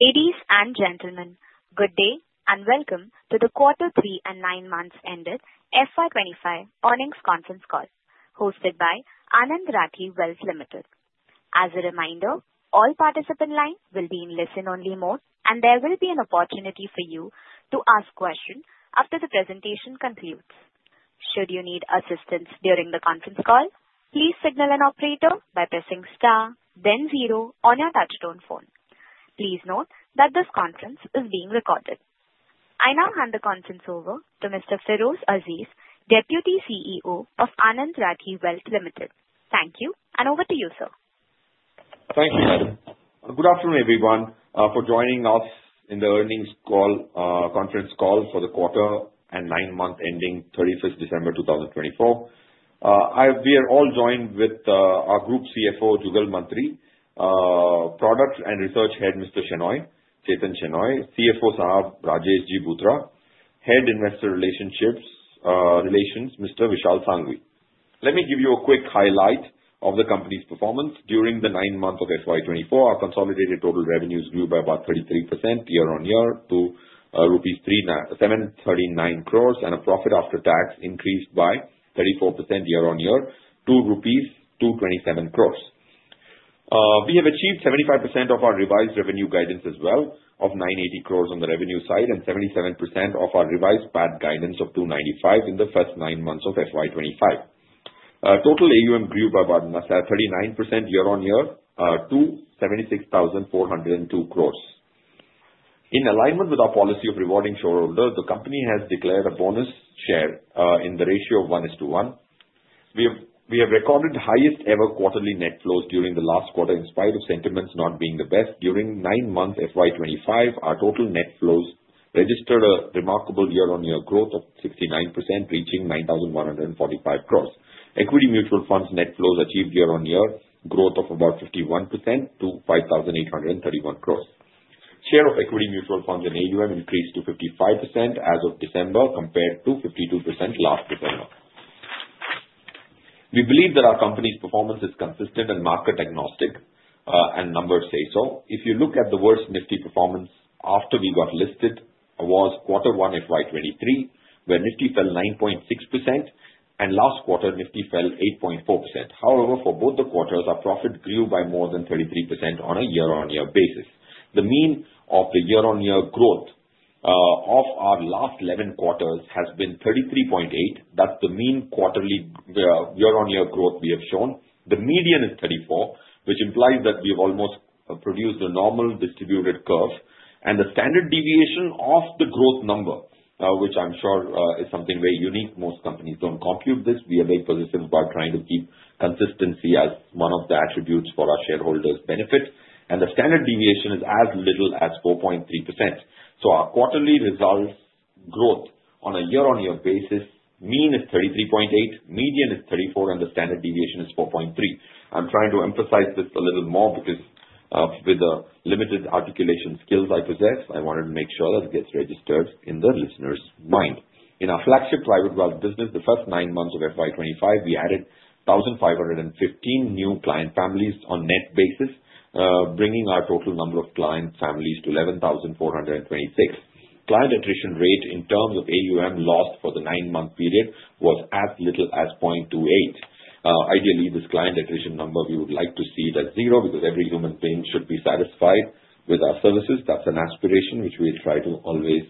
Ladies and gentlemen, good day and welcome to the Q3 and 9 Months Ended FY25 Earnings Conference Call, hosted by Anand Rathi Wealth Limited. As a reminder, all participants in line will be in listen-only mode, and there will be an opportunity for you to ask questions after the presentation concludes. Should you need assistance during the conference call, please signal an operator by pressing star, then zero on your touch-tone phone. Please note that this conference is being recorded. I now hand the conference over to Mr. Feroze Azeez, Deputy CEO of Anand Rathi Wealth Limited. Thank you, and over to you, sir. Thank you, Anand. Good afternoon, everyone, for joining us in the earnings conference call for the quarter and 9 months ending 31st December 2024. We are all joined with our Group CFO, Jugal Mantri, Product and Research Head, Mr. Chethan Shenoy, CFO, Rajesh G. Bhutra, Head Investor Relations, Mr. Vishal Sanghavi. Let me give you a quick highlight of the company's performance. During the 9 months of FY24, our consolidated total revenues grew by about 33% year on year to ₹739 crores, and our profit after tax increased by 34% year on year to ₹227 crores. We have achieved 75% of our revised revenue guidance as well of ₹980 crores on the revenue side, and 77% of our revised PAT guidance of ₹295 in the first 9 months of FY25. Total AUM grew by about 39% year on year to ₹76,402 crores. In alignment with our policy of rewarding shareholders, the company has declared a bonus share in the ratio of 1:1. We have recorded highest ever quarterly net flows during the last quarter in spite of sentiments not being the best. During nine months FY25, our total net flows registered a remarkable year-on-year growth of 69%, reaching 9,145 crores. Equity mutual funds net flows achieved year-on-year growth of about 51% to 5,831 crores. Share of equity mutual funds in AUM increased to 55% as of December compared to 52% last December. We believe that our company's performance is consistent and market agnostic, and numbers say so. If you look at the worst Nifty performance after we got listed, it was Q1 FY23, where Nifty fell 9.6%, and last quarter Nifty fell 8.4%. However, for both the quarters, our profit grew by more than 33% on a year-on-year basis. The mean of the year-on-year growth of our last 11 quarters has been 33.8. That's the mean quarterly year-on-year growth we have shown. The median is 34, which implies that we have almost produced a normally distributed curve. And the standard deviation of the growth number, which I'm sure is something very unique, most companies don't compute this. We are very positive about trying to keep consistency as one of the attributes for our shareholders' benefit. And the standard deviation is as little as 4.3%. So our quarterly results growth on a year-on-year basis, mean is 33.8, median is 34, and the standard deviation is 4.3. I'm trying to emphasize this a little more because with the limited articulation skills I possess, I wanted to make sure that it gets registered in the listeners' mind. In our flagship Private Wealth business, the first nine months of FY25, we added 1,515 new client families on a net basis, bringing our total number of client families to 11,426. Client attrition rate in terms of AUM lost for the nine-month period was as little as 0.28. Ideally, this client attrition number, we would like to see it as zero because every human being should be satisfied with our services. That's an aspiration which we try to always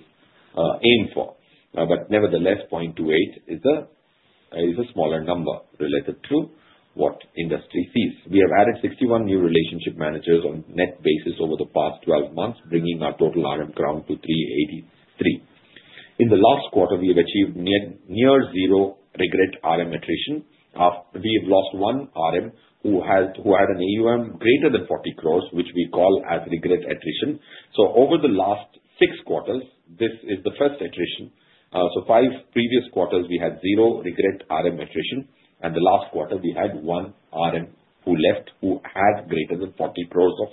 aim for. But nevertheless, 0.28 is a smaller number relative to what industry sees. We have added 61 new relationship managers on a net basis over the past 12 months, bringing our total RM count to 383. In the last quarter, we have achieved near zero regret RM attrition. We have lost one RM who had an AUM greater than ₹40 crores, which we call as regret attrition. So over the last six quarters, this is the first attrition. So five previous quarters, we had zero regret RM attrition, and the last quarter, we had one RM who left who had greater than 40 crores of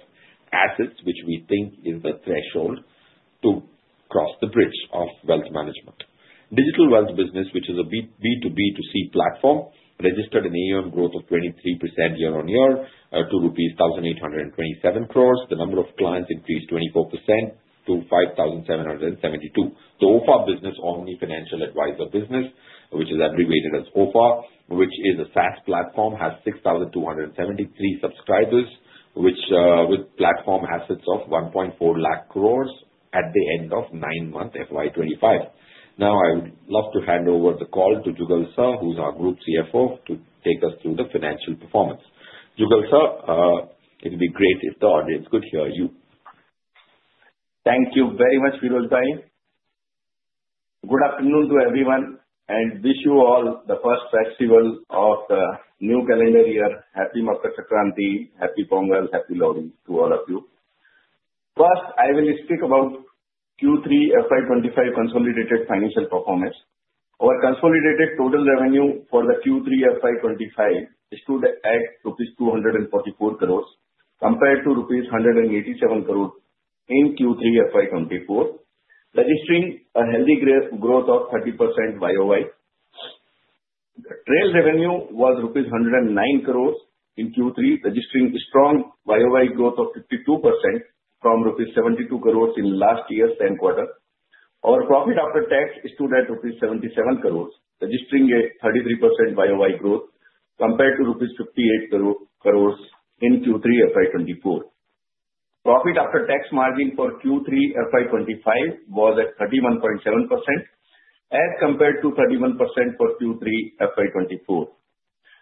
assets, which we think is the threshold to cross the bridge of wealth management. Digital wealth business, which is a B2B to C platform, registered an AUM growth of 23% year on year to rupees 1,827 crores. The number of clients increased 24% to 5,772. The OFA business, Omni Financial Advisor business, which is abbreviated as OFA, which is a SaaS platform, has 6,273 subscribers, with platform assets of 1.4 lakh crores at the end of nine-month FY25. Now, I would love to hand over the call to Jugal Sir, who's our Group CFO, to take us through the financial performance. Jugal Sir, it would be great if the audience could hear you. Thank you very much, Feroze Bhai. Good afternoon to everyone, and wish you all the first festival of the new calendar year. Happy Makar Sankranti, happy Pongal, happy Lohri to all of you. First, I will speak about Q3 FY25 consolidated financial performance. Our consolidated total revenue for the Q3 FY25 stood at rupees 244 crores compared to rupees 187 crores in Q3 FY24, registering a healthy growth of 30% YOY. Trail revenue was rupees 109 crores in Q3, registering a strong YOY growth of 52% from rupees 72 crores in last year's 10 quarters. Our profit after tax stood at rupees 77 crores, registering a 33% YOY growth compared to rupees 58 crores in Q3 FY24. Profit after tax margin for Q3 FY25 was at 31.7% as compared to 31% for Q3 FY24.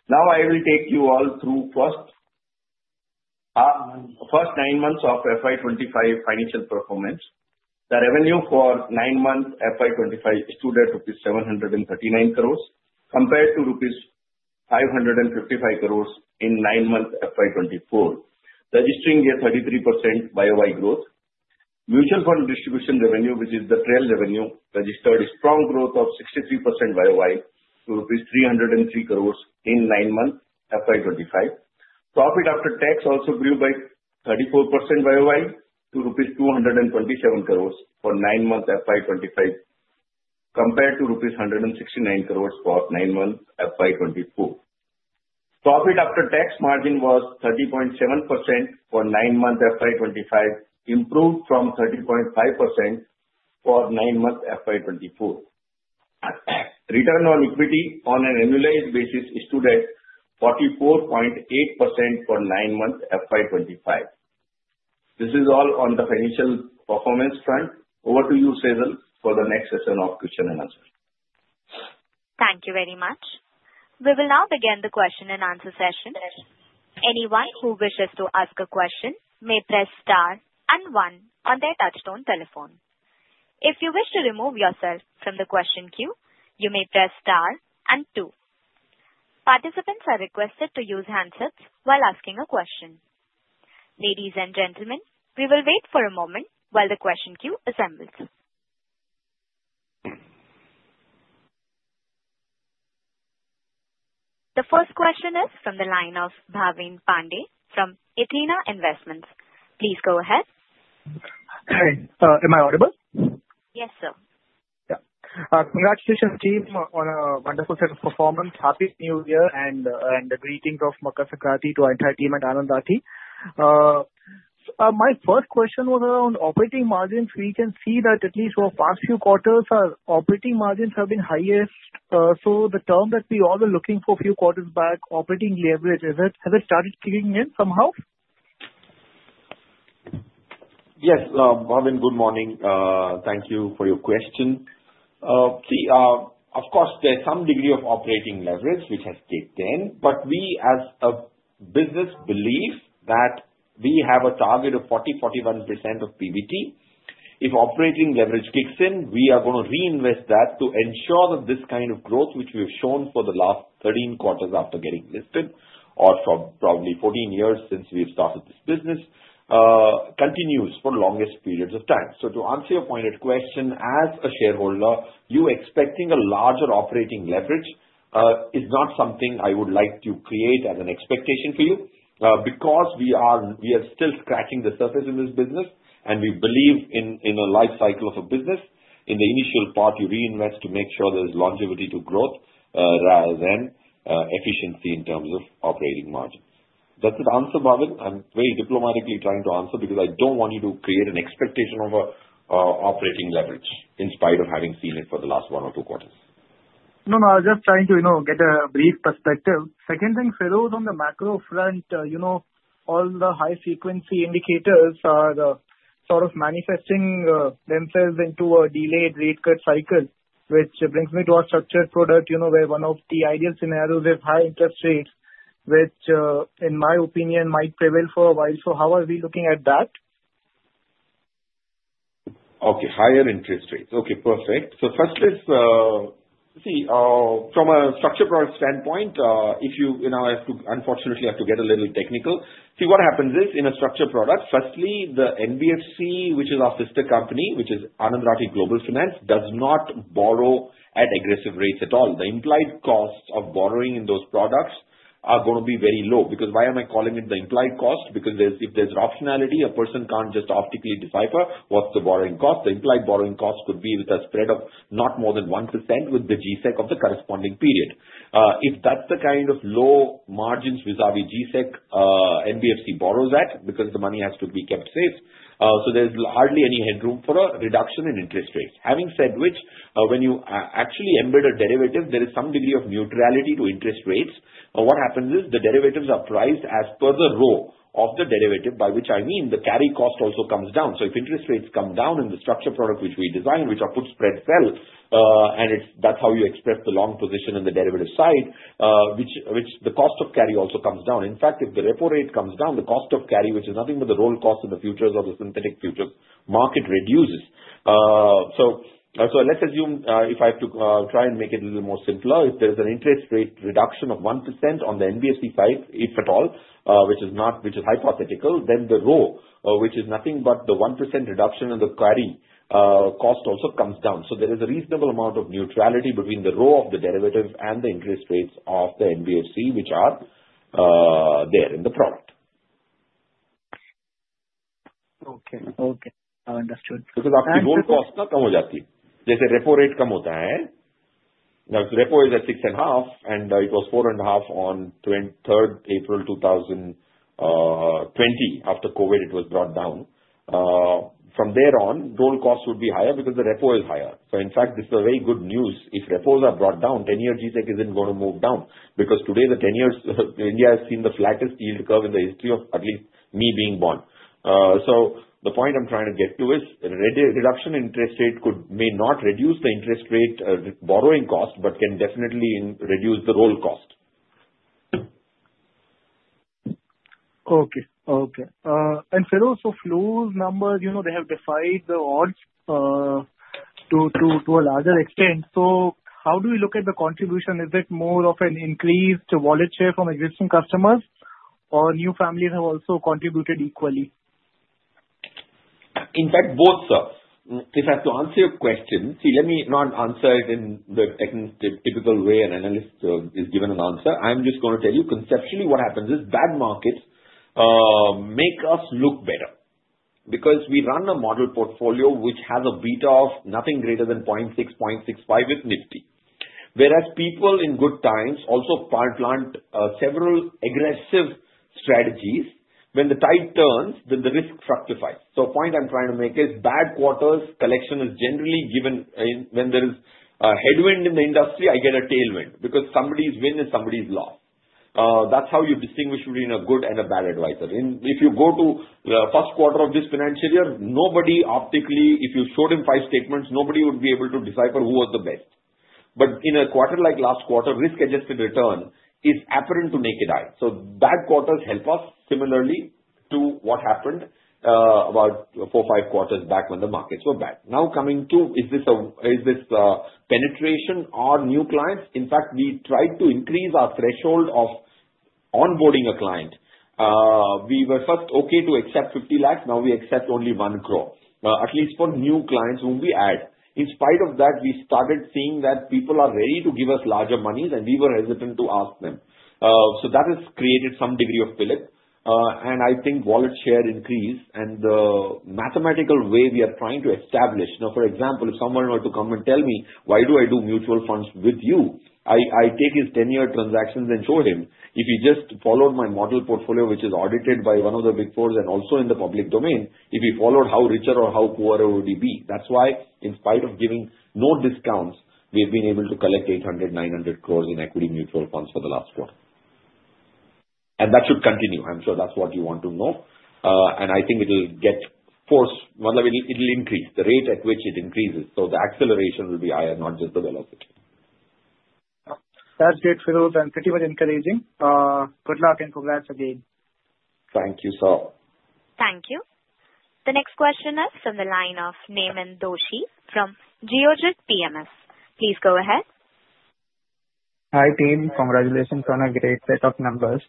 Now, I will take you all through first nine months of FY25 financial performance. The revenue for 9-month FY25 stood at ₹739 crores compared to ₹555 crores in 9-month FY24, registering a 33% YOY growth. Mutual fund distribution revenue, which is the trail revenue, registered a strong growth of 63% YOY to ₹303 crores in 9-month FY25. Profit after tax also grew by 34% YOY to ₹227 crores for 9-month FY25 compared to ₹169 crores for 9-month FY24. Profit after tax margin was 30.7% for 9-month FY25, improved from 30.5% for 9-month FY24. Return on equity on an annualized basis stood at 44.8% for 9-month FY25. This is all on the financial performance front. Over to you, Seetharam, for the next session of question and answer. Thank you very much. We will now begin the question and answer session. Anyone who wishes to ask a question may press star and one on their touch-tone telephone. If you wish to remove yourself from the question queue, you may press star and two. Participants are requested to use handsets while asking a question. Ladies and gentlemen, we will wait for a moment while the question queue assembles. The first question is from the line of Bhavin Pandey from Athena Investments. Please go ahead. Hi. Am I audible? Yes, sir. Yeah. Congratulations, team, on a wonderful set of performance. Happy New Year and greetings of Makar Sankranti to our entire team and Anand Rathi. My first question was around operating margins. We can see that at least for the past few quarters, our operating margins have been highest. So the term that we all were looking for a few quarters back, operating leverage, has it started kicking in somehow? Yes. Bhavin, good morning. Thank you for your question. See, of course, there's some degree of operating leverage, which has kicked in, but we as a business believe that we have a target of 40%-41% of PVT. If operating leverage kicks in, we are going to reinvest that to ensure that this kind of growth, which we have shown for the last 13 quarters after getting listed or for probably 14 years since we have started this business, continues for the longest periods of time. So to answer your pointed question, as a shareholder, you expecting a larger operating leverage is not something I would like to create as an expectation for you because we are still scratching the surface in this business, and we believe in a life cycle of a business. In the initial part, you reinvest to make sure there's longevity to growth rather than efficiency in terms of operating margins. That's the answer, Bhavin. I'm very diplomatically trying to answer because I don't want you to create an expectation of operating leverage in spite of having seen it for the last one or two quarters. No, no. I was just trying to get a brief perspective. Second thing, Feroze, on the macro front, all the high-frequency indicators are sort of manifesting themselves into a delayed rate cut cycle, which brings me to our structured product where one of the ideal scenarios is high interest rates, which, in my opinion, might prevail for a while. So how are we looking at that? Okay. Higher interest rates. Okay. Perfect. So first, see, from a structured product standpoint, if you now have to, unfortunately, have to get a little technical, see what happens is in a structured product, firstly, the NBFC, which is our sister company, which is Anand Rathi Global Finance, does not borrow at aggressive rates at all. The implied cost of borrowing in those products are going to be very low because why am I calling it the implied cost? Because if there's optionality, a person can't just optically decipher what's the borrowing cost. The implied borrowing cost could be with a spread of not more than 1% with the G-Sec of the corresponding period. If that's the kind of low margins vis-à-vis G-Sec, NBFC borrows that because the money has to be kept safe. So there's hardly any headroom for a reduction in interest rates. Having said which, when you actually embed a derivative, there is some degree of neutrality to interest rates. What happens is the derivatives are priced as per the rho of the derivative, by which I mean the carry cost also comes down. So if interest rates come down in the structured product, which we designed, which are put spread sell, and that's how you express the long position on the derivative side, which the cost of carry also comes down. In fact, if the repo rate comes down, the cost of carry, which is nothing but the roll cost in the futures of the synthetic futures, market reduces. So let's assume if I have to try and make it a little more simpler, if there's an interest rate reduction of 1% on the NBFC side, if at all, which is hypothetical, then the rho, which is nothing but the 1% reduction in the carry cost, also comes down. So there is a reasonable amount of neutrality between the rho of the derivative and the interest rates of the NBFC, which are there in the product. Okay. Okay. I understood. Because after. Okay. Roll costs are coming down. They say repo rate come down. Repo is at 6.5, and it was 4.5 on 3rd April 2020. After COVID, it was brought down. From there on, roll costs would be higher because the repo is higher. So in fact, this is very good news. If repos are brought down, 10-year G-Sec isn't going to move down because today, the 10-year India has seen the flattest yield curve in the history of at least me being born. So the point I'm trying to get to is reduction in interest rate may not reduce the interest rate borrowing cost, but can definitely reduce the roll cost. And Feroze, so flows numbers, they have defied the odds to a larger extent. So how do we look at the contribution? Is it more of an increased wallet share from existing customers, or new families have also contributed equally? In fact, both, sir. If I have to answer your question, see, let me not answer it in the typical way an analyst is given an answer. I'm just going to tell you conceptually what happens is bad markets make us look better because we run a model portfolio which has a beta of nothing greater than 0.6, 0.65 with Nifty, whereas people in good times also plant several aggressive strategies. When the tide turns, then the risk fructifies. So the point I'm trying to make is bad quarters collection is generally given when there is a headwind in the industry, I get a tailwind because somebody's win and somebody's loss. That's how you distinguish between a good and a bad advisor. If you go to the first quarter of this financial year, nobody optically, if you showed him five statements, nobody would be able to decipher who was the best, but in a quarter like last quarter, risk-adjusted return is apparent to naked eye, so bad quarters help us similarly to what happened about four, five quarters back when the markets were bad. Now coming to, is this penetration or new clients? In fact, we tried to increase our threshold of onboarding a client. We were first okay to accept ₹50 lakhs. Now we accept only ₹1 crore, at least for new clients whom we add. In spite of that, we started seeing that people are ready to give us larger monies, and we were hesitant to ask them. So that has created some degree of spillage. I think wallet share increase and the mathematical way we are trying to establish. Now, for example, if someone were to come and tell me, "Why do I do mutual funds with you?" I take his 10-year transactions and show him. If he just followed my model portfolio, which is audited by one of the Big Four and also in the public domain, if he followed how richer or how poorer would he be? That's why, in spite of giving no discounts, we have been able to collect ₹800- ₹900 crores in equity mutual funds for the last quarter. That should continue. I'm sure that's what you want to know. I think it will get forced, it will increase. The rate at which it increases, so the acceleration will be higher, not just the velocity. That's great, Feroze. And pretty much encouraging. Good luck and congrats again. Thank you, sir. Thank you. The next question is from the line of Naiman Doshi from Geojit Financial Services. Please go ahead. Hi, team. Congratulations on a great set of numbers.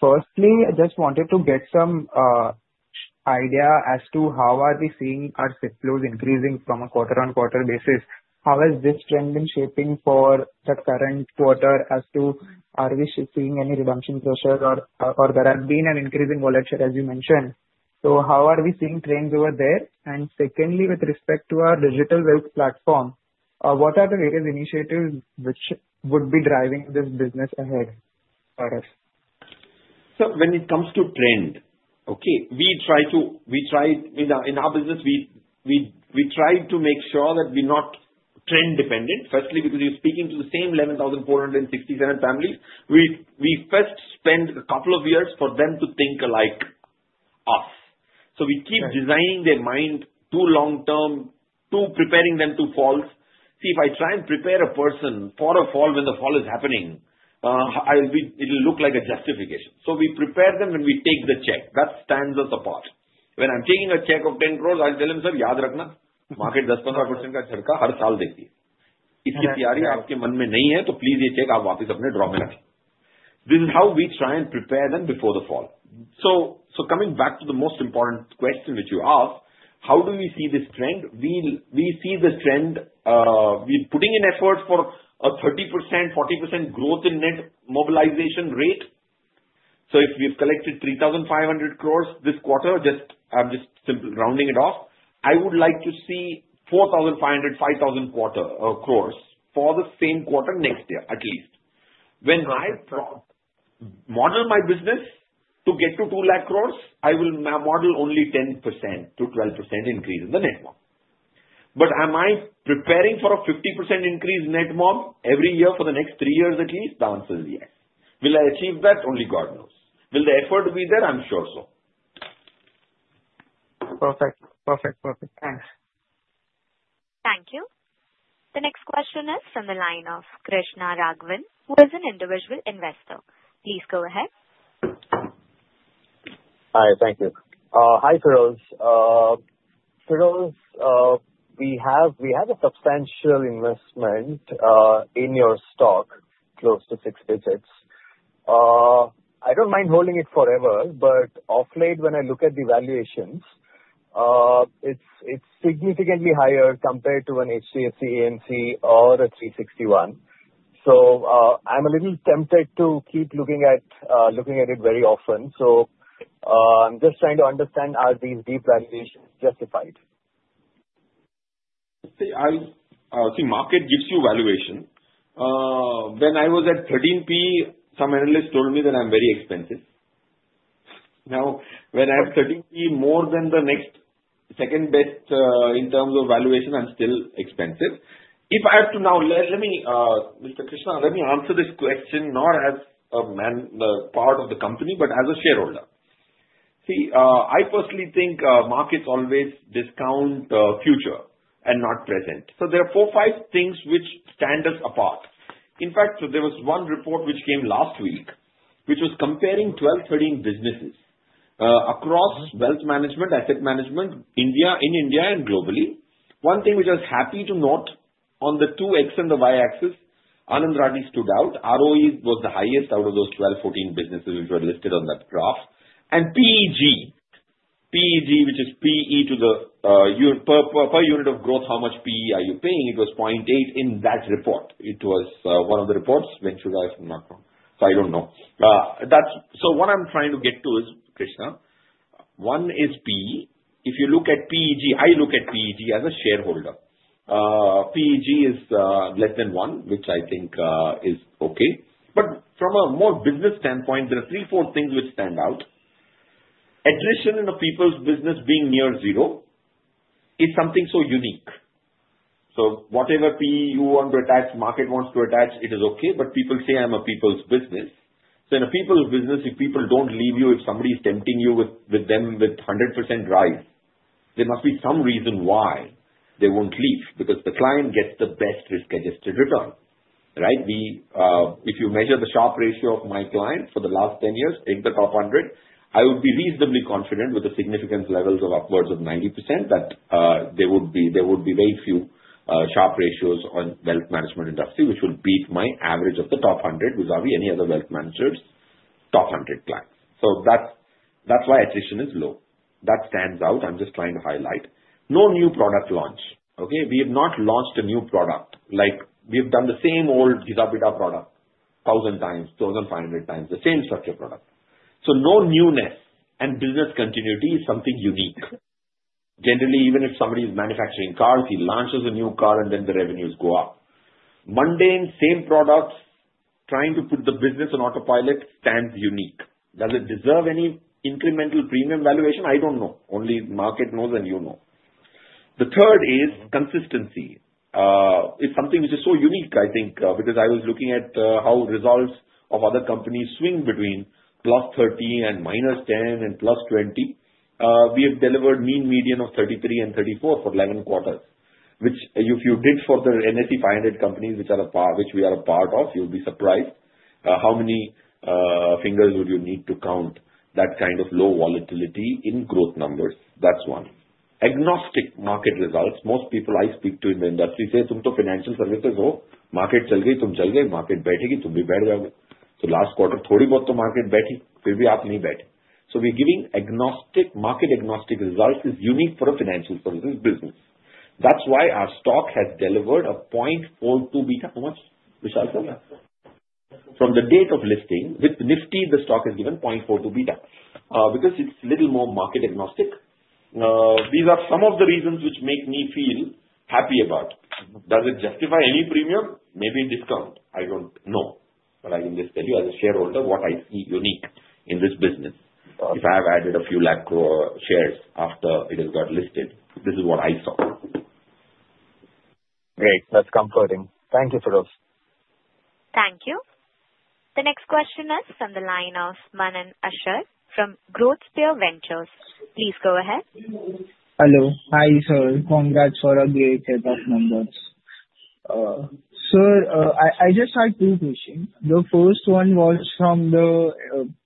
Firstly, I just wanted to get some idea as to how are we seeing our SIP flows increasing from a quarter-on-quarter basis. How has this trend been shaping for the current quarter as to are we seeing any redemption pressure, or there has been an increase in wallet share, as you mentioned? So how are we seeing trends over there? And secondly, with respect to our Digital Wealth platform, what are the various initiatives which would be driving this business ahead for us? When it comes to trend, we try to in our business, we try to make sure that we're not trend-dependent. Firstly, because you're speaking to the same 11,467 families, we first spend a couple of years for them to think like us. So we keep designing their mind to long-term to preparing them to falls. See, if I try and prepare a person for a fall when the fall is happening, it will look like a justification. So we prepare them and we take the check. That stands us apart. When I'm taking a check of ₹10 crore, I'll tell them, "Sir, yaad rakhna, market 10%-15% का झटका हर साल देती है. इसकी तैयारी आपके मन में नहीं है, तो प्लीज ये चेक आप वापस अपने drawer में रखें." This is how we try and prepare them before the fall. So coming back to the most important question which you asked, how do we see this trend? We see the trend we're putting in effort for a 30%-40% growth in net mobilization rate. So if we've collected 3,500 crores this quarter, I'm just rounding it off, I would like to see 4,500-5,000 crores for the same quarter next year at least. When I model my business to get to 2 lakh crores, I will model only 10%-12% increase in the net worth. But am I preparing for a 50% increase net worth every year for the next three years at least? The answer is yes. Will I achieve that? Only God knows. Will the effort be there? I'm sure so. Perfect. Perfect. Perfect. Thanks. Thank you. The next question is from the line of Krishna Raghwin, who is an individual investor. Please go ahead. Hi. Thank you. Hi, Feroze. Feroze, we have a substantial investment in your stock, close to six digits. I don't mind holding it forever, but of late, when I look at the valuations, it's significantly higher compared to an HDFC AMC, or a 360 ONE. So I'm a little tempted to keep looking at it very often. So I'm just trying to understand, are these steep valuations justified? See, market gives you valuation. When I was at 13 PE, some analysts told me that I'm very expensive. Now, when I'm 13 PE, more than the next second best in terms of valuation, I'm still expensive. If I have to now, Mr. Krishna, let me answer this question not as a part of the company, but as a shareholder. See, I personally think markets always discount future and not present. So there are four, five things which stand us apart. In fact, there was one report which came last week, which was comparing 12, 13 businesses across wealth management, asset management in India and globally. One thing which I was happy to note, on the X and the Y axis, Anand Rathi stood out. ROE was the highest out of those 12, 14 businesses which were listed on that graph. And PEG, which is PE to the per unit of growth, how much PE are you paying? It was 0.8 in that report. It was one of the reports. Venture Guys might not come. So I don't know. So what I'm trying to get to is, Krishna, one is PE. If you look at PEG, I look at PEG as a shareholder. PEG is less than one, which I think is okay. But from a more business standpoint, there are three, four things which stand out. Addition in a people's business being near zero is something so unique. So whatever PE you want to attach, market wants to attach, it is okay. But people say, "I'm a people's business." So in a people's business, if people don't leave you, if somebody is tempting you with them with 100% rise, there must be some reason why they won't leave because the client gets the best risk-adjusted return. Right? If you measure the Sharpe ratio of my client for the last 10 years, take the top 100, I would be reasonably confident with the significant levels of upwards of 90% that there would be very few Sharpe ratios on wealth management industry which would beat my average of the top 100, which are any other wealth managers' top 100 clients. So that's why attrition is low. That stands out. I'm just trying to highlight. No new product launch. Okay? We have not launched a new product. We have done the same old G-Sec based product 1,000 times, 1,500 times, the same structured product. So no newness and business continuity is something unique. Generally, even if somebody is manufacturing cars, he launches a new car, and then the revenues go up. Mundane, same product, trying to put the business on autopilot stands unique. Does it deserve any incremental premium valuation? I don't know. Only market knows and you know. The third is consistency. It's something which is so unique, I think, because I was looking at how results of other companies swing between plus 30 and minus 10 and plus 20. We have delivered mean median of 33 and 34 for 11 quarters, which if you did for the NSE 500 companies, which we are a part of, you'll be surprised. How many fingers would you need to count that kind of low volatility in growth numbers? That's one. Agnostic market results. Most people I speak to in the industry say, "तुम तो financial services हो. Market चल गई, तुम चल गए. Market बैठेगी, तुम भी बैठ जाओगे." तो last quarter थोड़ी बहुत तो market बैठी, फिर भी आप नहीं बैठे. So we are giving agnostic market agnostic results is unique for a financial services business. That's why our stock has delivered a 0.42 beta. How much, Vishal sir? From the date of listing, with Nifty, the stock has given 0.42 beta because it's a little more market agnostic. These are some of the reasons which make me feel happy about. Does it justify any premium? Maybe discount. I don't know. But I can just tell you as a shareholder what I see unique in this business. If I have added a few lakh crore shares after it has got listed, this is what I saw. Great. That's comforting. Thank you, Feroze. Thank you. The next question is from the line of Manan Asher from Growth Sphere Ventures. Please go ahead. Hello. Hi, sir. Congrats for a great set of numbers. Sir, I just had two questions. The first one was from the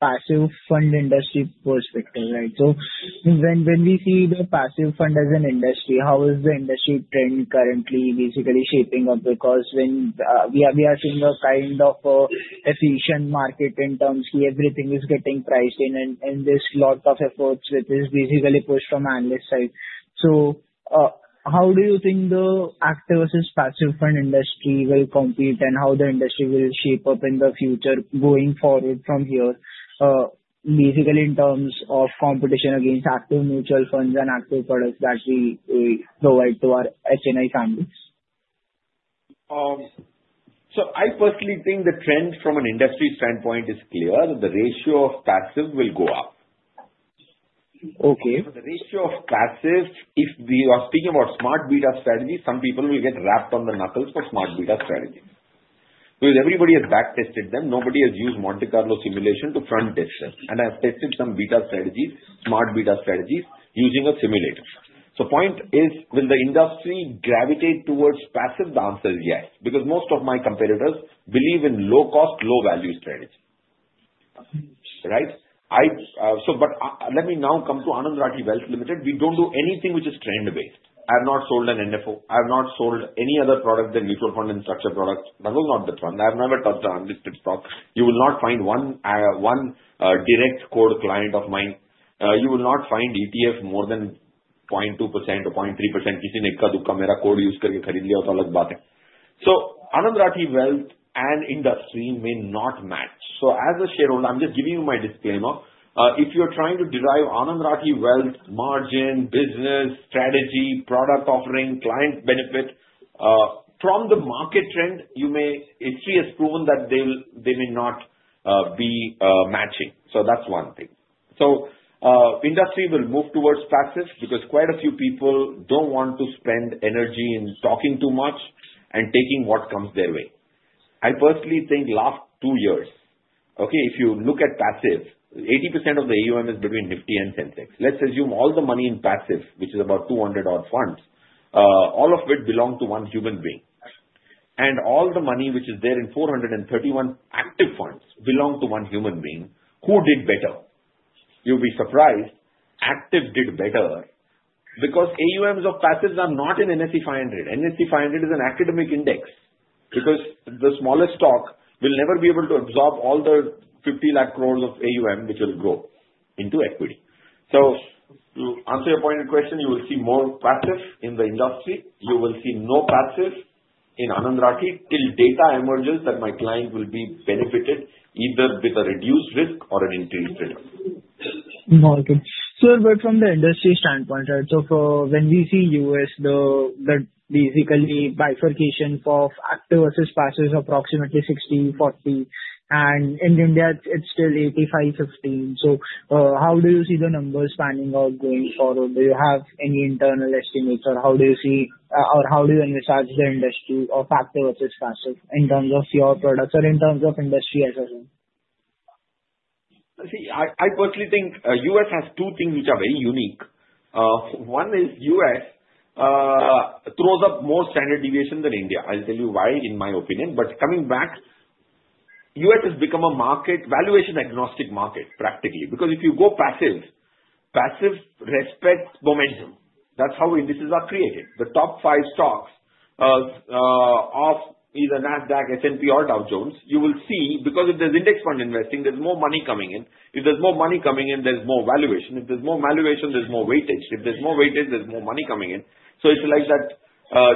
passive fund industry perspective. Right? So when we see the passive fund as an industry, how is the industry trend currently basically shaping up? Because we are seeing a kind of efficient market in terms of everything is getting priced in, and there's a lot of efforts which is basically pushed from analyst side. So how do you think the active versus passive fund industry will compete and how the industry will shape up in the future going forward from here, basically in terms of competition against active mutual funds and active products that we provide to our HNI families? So I personally think the trend from an industry standpoint is clear that the ratio of passive will go up. So the ratio of passive, if we are speaking about smart beta strategies, some people will get rapped on the knuckles for smart beta strategies. Because everybody has backtested them. Nobody has used Monte Carlo simulation to forward test them. And I've tested some beta strategies, smart beta strategies using a simulator. So point is, will the industry gravitate towards passive? The answer is yes. Because most of my competitors believe in low-cost, low-value strategy. Right? But let me now come to Anand Rathi Wealth Limited. We don't do anything which is trend-based. I have not sold an NFO. I have not sold any other product than mutual fund and structured products. That was not the fund. I have never touched an unlisted stock. You will not find one direct core client of mine. You will not find ETF more than 0.2% or 0.3%. किसी ने इक्का-दुक्का मेरा code use करके खरीद लिया, तो अलग बात है. So Anand Rathi Wealth and industry may not match. So as a shareholder, I'm just giving you my disclaimer. If you're trying to derive Anand Rathi Wealth margin, business, strategy, product offering, client benefit from the market trend, you may history has proven that they may not be matching. So that's one thing. So industry will move towards passive because quite a few people don't want to spend energy in talking too much and taking what comes their way. I personally think last two years, okay, if you look at passive, 80% of the AUM is between Nifty and Sensex. Let's assume all the money in passive, which is about 200-odd funds, all of which belong to one human being, and all the money which is there in 431 active funds belong to one human being who did better. You'll be surprised. Active did better because AUMs of passives are not in Nifty 500. Nifty 500 is an academic index because the smallest stock will never be able to absorb all the ₹50 lakh crores of AUM, which will grow into equity, so to answer your pointed question, you will see more passive in the industry. You will see no passive in Anand Rathi till data emerges that my client will be benefited either with a reduced risk or an increased risk. Okay. Sir, but from the industry standpoint, right, so when we see US, the basically bifurcation of active versus passive is approximately 60%-40%. And in India, it's still 85%-15%. So how do you see the numbers spanning out going forward? Do you have any internal estimates, or how do you see, or how do you assess the industry of active versus passive in terms of your products or in terms of industry as a whole? See, I personally think US has two things which are very unique. One is US throws up more standard deviation than India. I'll tell you why, in my opinion. But coming back, US has become a valuation-agnostic market practically. Because if you go passive, passive respects momentum. That's how indices are created. The top five stocks of either NASDAQ, S&P, or Dow Jones, you will see because if there's index fund investing, there's more money coming in. If there's more money coming in, there's more valuation. If there's more valuation, there's more weightage. If there's more weightage, there's more money coming in. So it's like that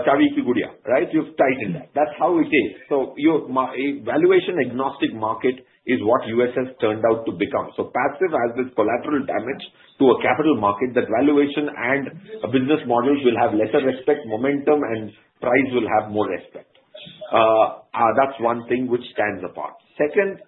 Chawi Kigulia. Right? You've tightened that. That's how it is. So valuation-agnostic market is what US has turned out to become. So passive has this collateral damage to a capital market that valuation and business models will have lesser respect, momentum, and price will have more respect. That's one thing which stands apart. Second,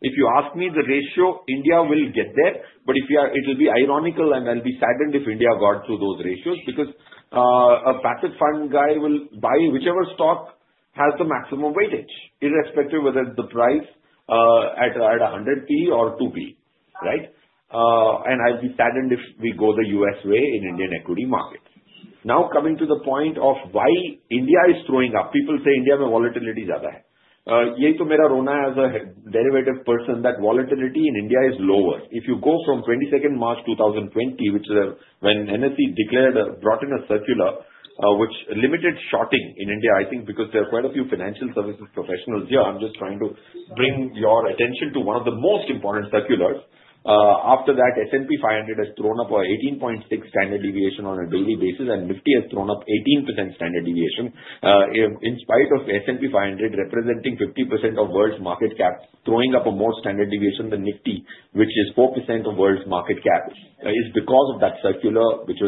if you ask me the ratio, India will get there. But it will be ironical, and I'll be saddened if India got to those ratios because a passive fund guy will buy whichever stock has the maximum weightage, irrespective whether the price at 100P or 2P. Right? And I'll be saddened if we go the US way in Indian equity markets. Now, coming to the point of why India is throwing up, people say India में volatility ज्यादा है. यही तो मेरा रोना है as a derivative person that volatility in India is lower. If you go from 22nd March 2020, which is when NSE brought in a circular which limited shorting in India, I think because there are quite a few financial services professionals here, I'm just trying to bring your attention to one of the most important circulars. After that, S&P 500 has thrown up an 18.6 standard deviation on a daily basis, and Nifty has thrown up 18% standard deviation. In spite of S&P 500 representing 50% of world's market cap, throwing up a more standard deviation than Nifty, which is 4% of world's market cap, is because of that circular which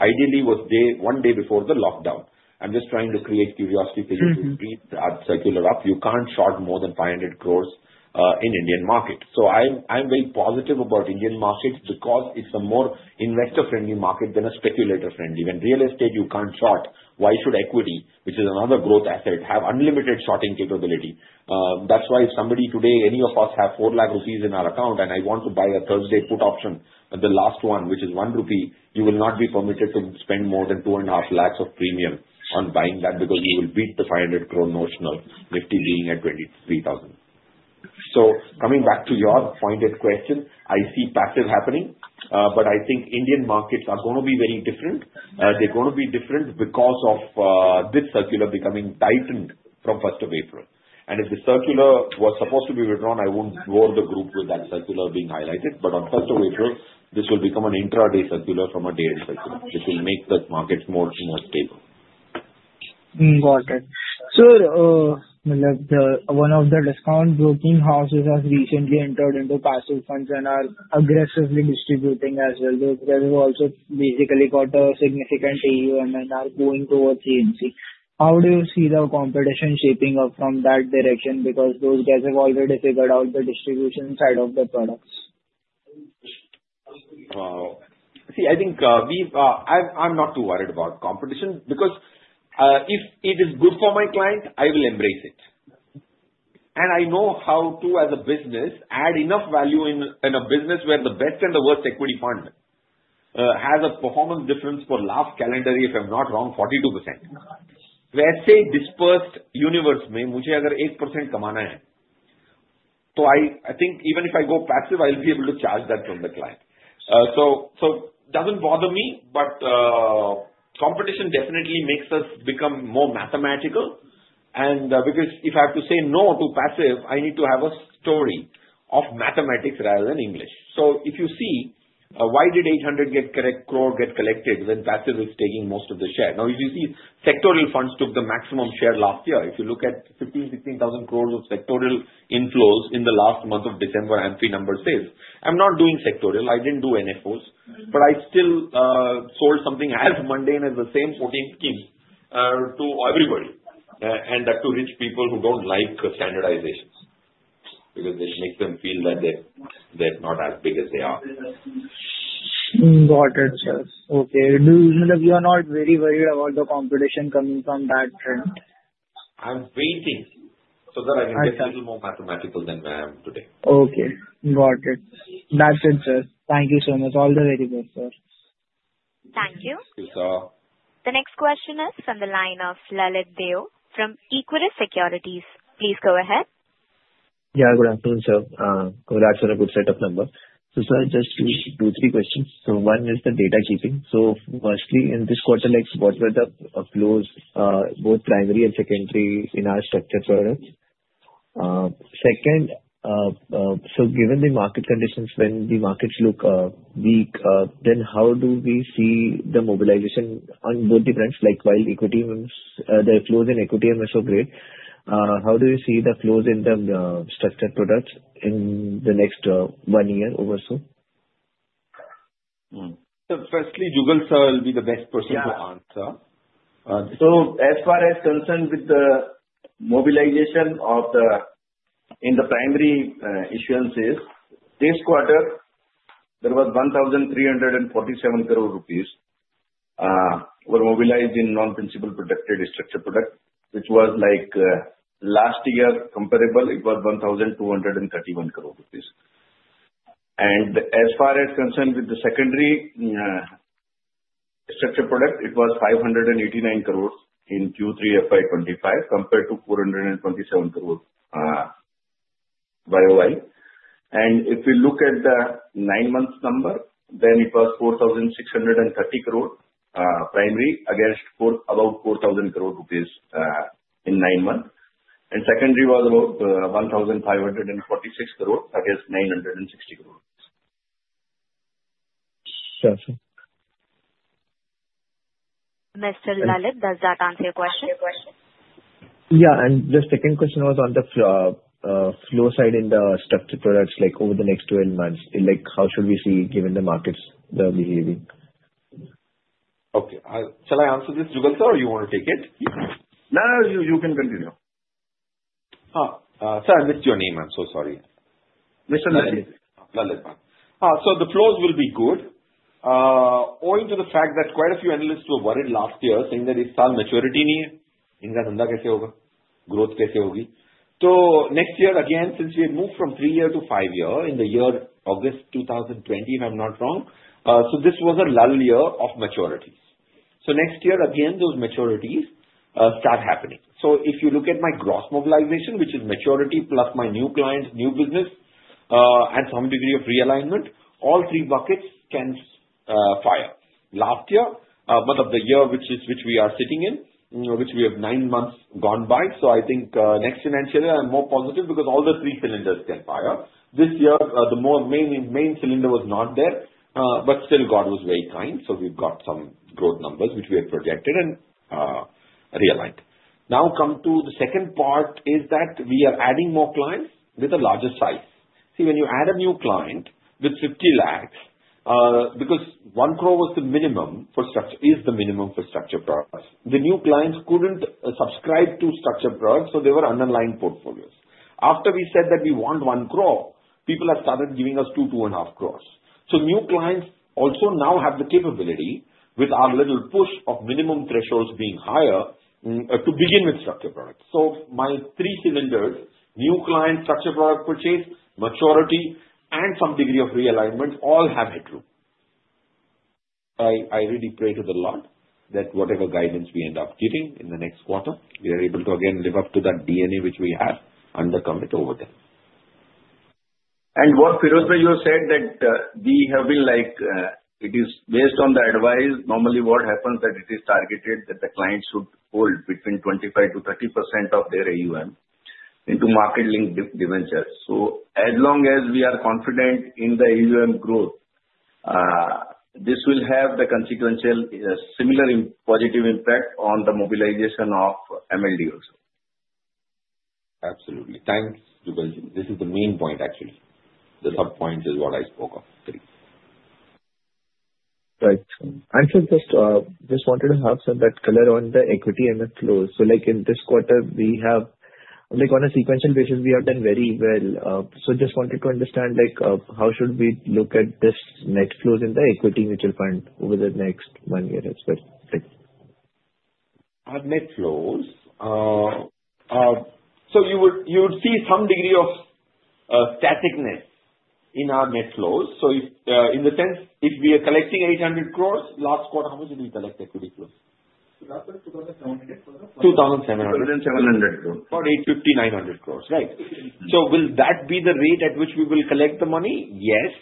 ideally was one day before the lockdown. I'm just trying to create curiosity for you to read that circular up. You can't short more than 500 crores in Indian market. So I'm very positive about Indian markets because it's a more investor-friendly market than a speculator-friendly. When real estate you can't short, why should equity, which is another growth asset, have unlimited shorting capability? That's why if somebody today, any of us have ₹4 lakh in our account and I want to buy a Thursday put option, the last one, which is ₹1, you will not be permitted to spend more than ₹2.5 lakh of premium on buying that because you will beat the 500 crore notional Nifty being at 23,000. So coming back to your pointed question, I see passive happening, but I think Indian markets are going to be very different. They're going to be different because of this circular becoming tightened from 1st of April. And if the circular was supposed to be withdrawn, I wouldn't bore the group with that circular being highlighted. On 1st of April, this will become an intraday circular from a daily circular, which will make the markets more stable. Got it. Sir, one of the discount broking houses has recently entered into passive funds and are aggressively distributing as well. Those guys have also basically got a significant AUM and are going towards AMC. How do you see the competition shaping up from that direction? Because those guys have already figured out the distribution side of the products. Wow. See, I think I'm not too worried about competition because if it is good for my client, I will embrace it, and I know how to, as a business, add enough value in a business where the best and the worst equity fund has a performance difference for last calendar, if I'm not wrong, 42%. Where say dispersed universe में मुझे अगर 1% कमाना है, तो I think even if I go passive, I'll be able to charge that from the client. So it doesn't bother me, but competition definitely makes us become more mathematical, and because if I have to say no to passive, I need to have a story of mathematics rather than English. So if you see, why did ₹800 crore get collected when passive is taking most of the share? Now, if you see, sectoral funds took the maximum share last year. If you look at ₹15,000- ₹16,000 crores of sectoral inflows in the last month of December, AMFI number says, I'm not doing sectoral. I didn't do NFOs, but I still sold something as mundane as the same 14 schemes to everybody. And that's to rich people who don't like standardizations because it makes them feel that they're not as big as they are. Got it, sir. Okay. Do you not very worried about the competition coming from that trend? I'm waiting so that I can get a little more mathematical than where I am today. Okay. Got it. That's it, sir. Thank you so much. All the very best, sir. Thank you. Thank you, sir. The next question is from the line of Lalit Deo from Equirus Securities. Please go ahead. Yeah, good afternoon, sir. That's a good setup number. So sir, just two or three questions. So one is the data keeping. So mostly in this quarter, what were the flows, both primary and secondary, in our structured products? Second, so given the market conditions, when the markets look weak, then how do we see the mobilization on both the brands? Like while equity firms, the flows in equity are so great, how do you see the flows in the structured products in the next one year or so? Firstly, Jugal sir will be the best person to answer. As far as concerned with the mobilization in the primary issuances, this quarter, there was 1,347 crore rupees were mobilized in non-principal protected structured product, which was like last year comparable. It was INR 1,231 crore. And as far as concerned with the secondary structured product, it was 589 crore in Q3 FY25 compared to 427 crore YOY. And if we look at the nine-month number, then it was 4,630 crore primary against about 4,000 crore rupees in nine months. And secondary was about 1,546 crore against 960 crore. Sure, sir. Mr. Lalit, does that answer your question? Yeah. And the second question was on the flow side in the structured products, like over the next 12 months, how should we see given the markets' behavior? Okay. Shall I answer this, Jugal sir, or you want to take it? No, no, you can continue. Sir, I missed your name. I'm so sorry. Mr. Lalit. Lalit. So the flows will be good owing to the fact that quite a few analysts were worried last year, saying that इस साल maturity नहीं है, इनका धंधा कैसे होगा, growth कैसे होगी? So next year, again, since we have moved from three-year to five-year in the year August 2020, if I'm not wrong, so this was a lull year of maturities. So next year, again, those maturities start happening. So if you look at my gross mobilization, which is maturity plus my new client, new business, and some degree of realignment, all three buckets can fire. Last year, but for the year which we are sitting in, which we have nine months gone by, so I think next financial year I'm more positive because all the three cylinders can fire. This year, the main cylinder was not there, but still God was very kind, so we've got some growth numbers which we have projected and realigned. Now come to the second part is that we are adding more clients with a larger size. See, when you add a new client with 50 lakhs, because one crore was the minimum for structured products, the new clients couldn't subscribe to structured products, so they were underlying portfolios. After we said that we want one crore, people have started giving us two, two and a half crores. So new clients also now have the capability with our little push of minimum thresholds being higher to begin with structured products. So my three cylinders, new client, structured product purchase, maturity, and some degree of realignment all are true. I really pray to the Lord that whatever guidance we end up getting in the next quarter, we are able to again live up to that DNA which we have and beat it over there. And what Feroze said that we have been like, it is based on the advice. Normally what happens that it is targeted that the client should hold between 25%-30% of their AUM into market-linked debentures. So as long as we are confident in the AUM growth, this will have the consequential similar positive impact on the mobilization of MLD also. Absolutely. Thanks, Jugalji. This is the main point, actually. The subpoints is what I spoke of. Right. I just wanted to have some background on the equity and the flows. So like in this quarter, we have like on a sequential basis, we have done very well. So just wanted to understand like how should we look at this net flows in the equity mutual fund over the next one year as well? Our net flows, so you would see some degree of staticness in our net flows. So in the sense, if we are collecting 800 crores last quarter, how much did we collect equity flows? 2,700 crores. 2,700. 2,700 crores. About INR 850-INR900 crores. Right. So will that be the rate at which we will collect the money? Yes.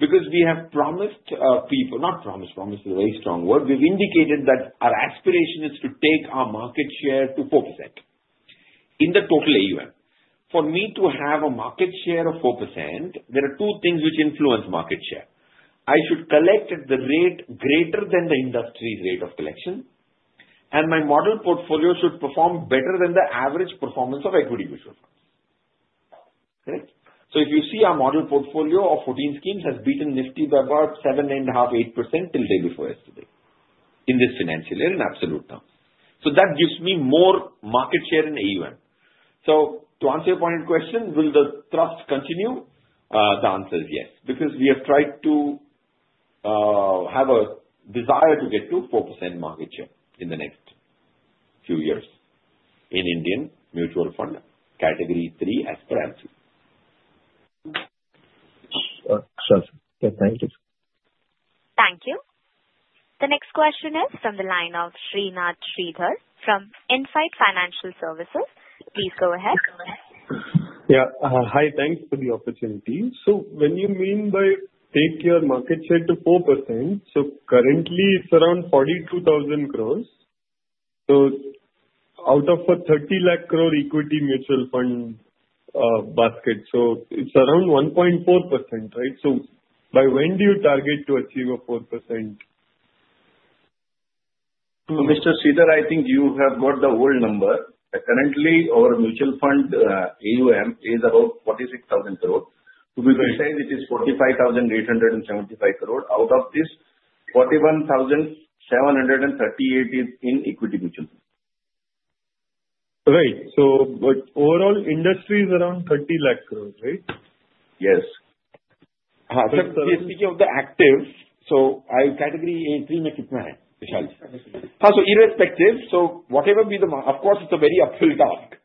Because we have promised people, not promised, promise is a very strong word. We've indicated that our aspiration is to take our market share to 4% in the total AUM. For me to have a market share of 4%, there are two things which influence market share. I should collect at the rate greater than the industry's rate of collection, and my model portfolio should perform better than the average performance of equity mutual funds. So if you see our model portfolio of 14 schemes has beaten Nifty by about 7, 9.5, 8% till day before yesterday in this financial year in absolute terms. So to answer your pointed question, will the thrust continue? The answer is yes. Because we have tried to have a desire to get to 4% market share in the next few years in Indian mutual fund category three as per AMFI. Sure. Thank you. Thank you. The next question is from the line of Srinath Shridhar from Insight Financial Services. Please go ahead. Yeah. Hi. Thanks for the opportunity. So what do you mean by take your market share to 4%, so currently it's around ₹42,000 crores. So out of a ₹30 lakh crore equity mutual fund basket, so it's around 1.4%, right? So by when do you target to achieve a 4%? Mr. Shridhar, I think you have got the whole number. Currently, our mutual fund AUM is about 46,000 crore. To be precise, it is 45,875 crore. Out of this, 41,738 is in equity mutual fund. Right. But overall, industry is around ₹30 lakh crore, right? Yes. So speaking of the actives, so in category A3 mein kitna hai, Vishal ji? Ha, so irrespective, so whatever be the market, of course, it's a very uphill task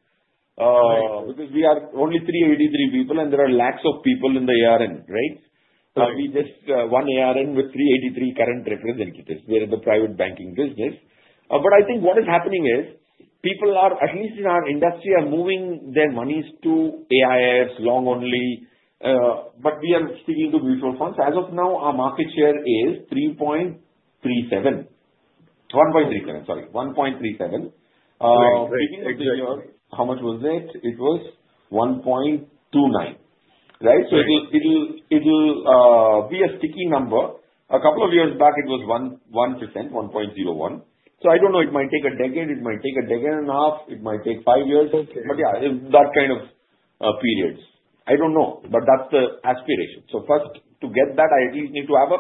because we are only 383 people and there are lakhs of people in the ARN, right? One ARN with 383 current representatives within the private banking business. But I think what is happening is people are, at least in our industry, moving their monies to AIFs, long-only. But we are speaking to mutual funds. As of now, our market share is 3.37. 1.37, sorry. 1.37. Right. Speaking of the years, how much was it? It was 1.29%, right? So it'll be a sticky number. A couple of years back, it was 1%, 1.01%. So I don't know. It might take a decade. It might take a decade and a half. It might take five years. But yeah, that kind of periods. I don't know, but that's the aspiration. So first, to get that, I at least need to have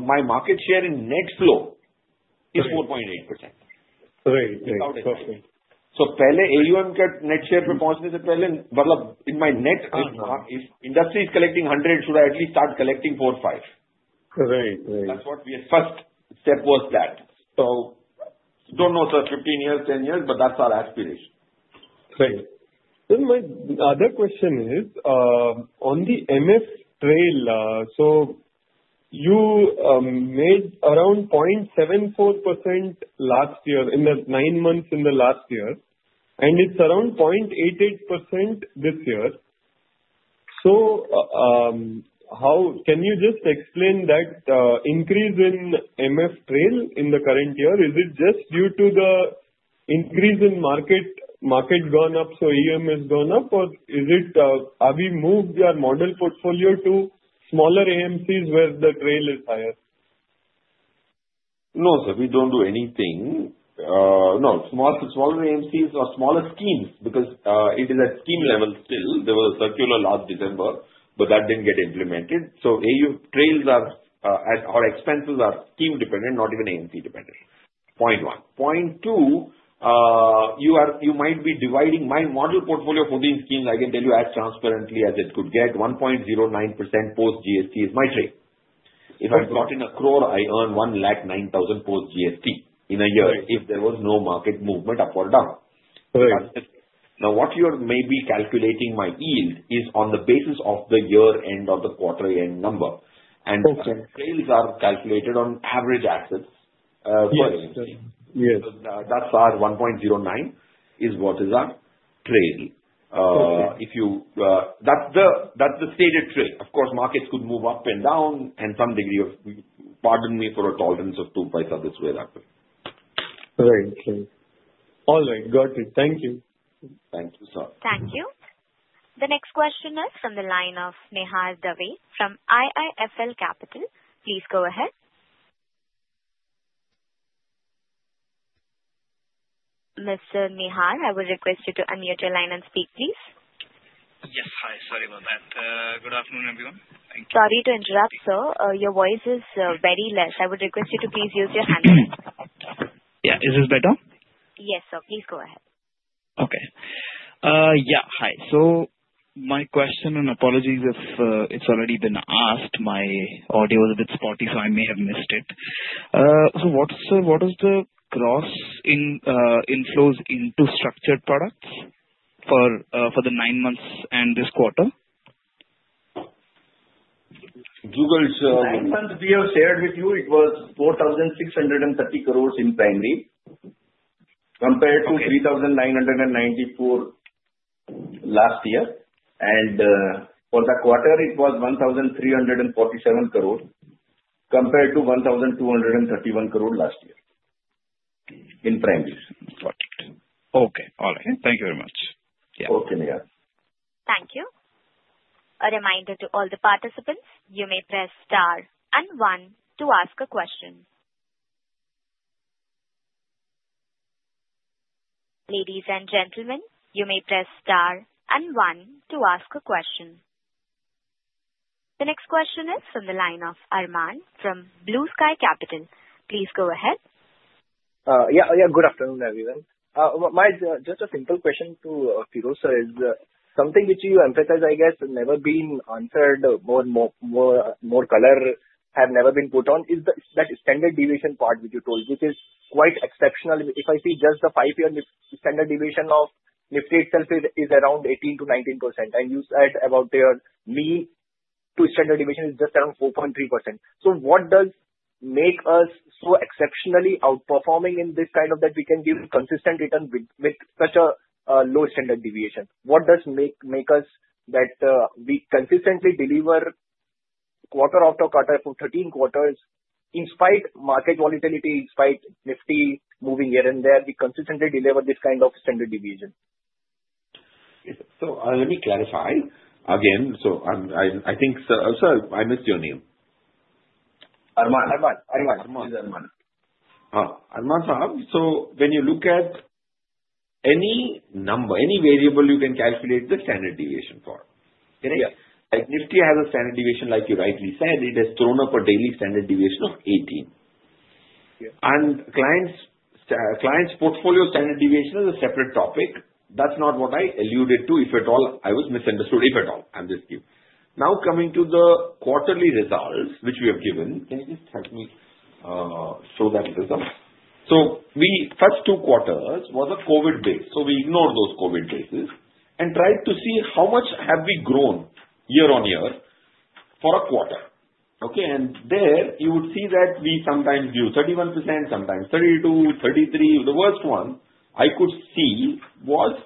my market share in net flow is 4.8%. Right. Right. Okay. So, pehle AUM ka net share par pahunchne se pehle, matlab in my net, if industry is collecting 100, should I at least start collecting four, five? Right. Right. That's what we had. First step was that. So, don't know, sir, 15 years, 10 years, but that's our aspiration. Right. Then my other question is on the MF trail. So you made around 0.74% last year in the nine months in the last year, and it's around 0.88% this year. So can you just explain that increase in MF trail in the current year? Is it just due to the increase in market gone up, so AUM has gone up, or are we moved our model portfolio to smaller AMCs where the trail is higher? No, sir. We don't do anything. No, smaller AMCs or smaller schemes because it is at scheme level still. There was a circular last December, but that didn't get implemented. So AUM trails are at our expenses are scheme dependent, not even AMC dependent. Point one. Point two, you might be dividing my model portfolio for these schemes. I can tell you as transparently as it could get, 1.09% post GST is my trade. If I've gotten a crore, I earn 1,009,000 post GST in a year if there was no market movement up or down. Now, what you're maybe calculating my yield is on the basis of the year-end or the quarter-end number, and trails are calculated on average assets per AMC. Yes. Yes. So that's our 1.09, which is what our trail is. That's the stated trail. Of course, markets could move up and down and some degree of, pardon me, tolerance of 2 paisa this way that way. Right. Right. All right. Got it. Thank you. Thank you, sir. Thank you. The next question is from the line of Nihal Dawi from IIFL Capital. Please go ahead. Mr. Nihal, I would request you to unmute your line and speak, please. Yes. Hi. Sorry about that. Good afternoon, everyone. Thank you. Sorry to interrupt, sir. Your voice is very less. I would request you to please use your hand. Yeah. Is this better? Yes, sir. Please go ahead. Okay. Yeah. Hi. So my question, and apologies if it's already been asked, my audio was a bit spotty, so I may have missed it. So what, sir, what is the gross inflows into structured products for the nine months and this quarter? Jugal sir. To be shared with you, it was 4,630 crores in primary compared to 3,994 last year. For the quarter, it was 1,347 crore compared to 1,231 crore last year in primary. Got it. Okay. All right. Thank you very much. Okay. Yeah. Thank you. A reminder to all the participants, you may press star and one to ask a question. Ladies and gentlemen, you may press star and one to ask a question. The next question is from the line of Arman from Blue Sky Capital. Please go ahead. Yeah. Good afternoon, everyone. Just a simple question to Feroze is something which you emphasize, I guess, has never been answered. More color have never been put on. It's that standard deviation part which you told, which is quite exceptional. If I see just the five-year standard deviation of Nifty itself is around 18%-19%. And you said about their mean to standard deviation is just around 4.3%. So what does make us so exceptionally outperforming in this kind of that we can give consistent return with such a low standard deviation? What does make us that we consistently deliver quarter after quarter for 13 quarters in spite of market volatility, in spite of Nifty moving here and there, we consistently deliver this kind of standard deviation? So let me clarify again. So I think, sir, I missed your name. Arman. Arman. Arman. Arman. This is Arman. Arman, sir, so when you look at any variable, you can calculate the standard deviation for. Like Nifty has a standard deviation, like you rightly said, it has thrown up a daily standard deviation of 18. And clients' portfolio standard deviation is a separate topic. That's not what I alluded to, if at all. I was misunderstood, if at all. I'm just kidding. Now coming to the quarterly results, which we have given, can you just help me show that result? So we touched two quarters that were COVID-based. So we ignored those COVID cases and tried to see how much have we grown year on year for a quarter. Okay. And there you would see that we sometimes do 31%, sometimes 32%, 33%. The worst one I could see was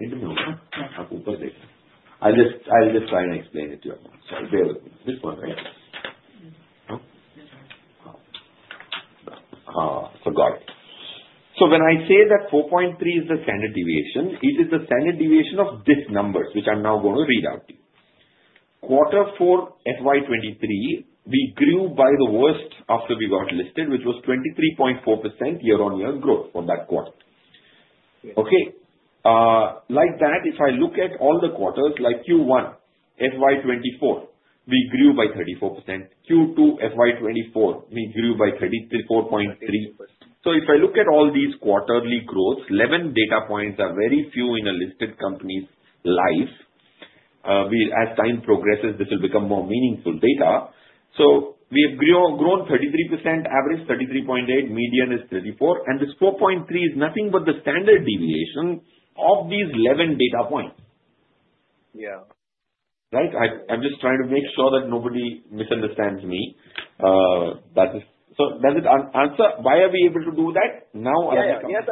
I'll just try and explain it to you. Sorry. Bear with me. This one, right? Forgot it. So when I say that 4.3 is the standard deviation, it is the standard deviation of these numbers, which I'm now going to read out to you. Quarter 4, FY23, we grew by the worst after we got listed, which was 23.4% year-on-year growth for that quarter. Okay. Like that, if I look at all the quarters, like Q1, FY24, we grew by 34%. Q2, FY24, we grew by 34.3%. So if I look at all these quarterly growths, 11 data points are very few in a listed company's life. As time progresses, this will become more meaningful data. So we have grown 33%, average 33.8, median is 34. And this 4.3 is nothing but the standard deviation of these 11 data points. Yeah. Right? I'm just trying to make sure that nobody misunderstands me. So does it answer why are we able to do that? Now. Yeah.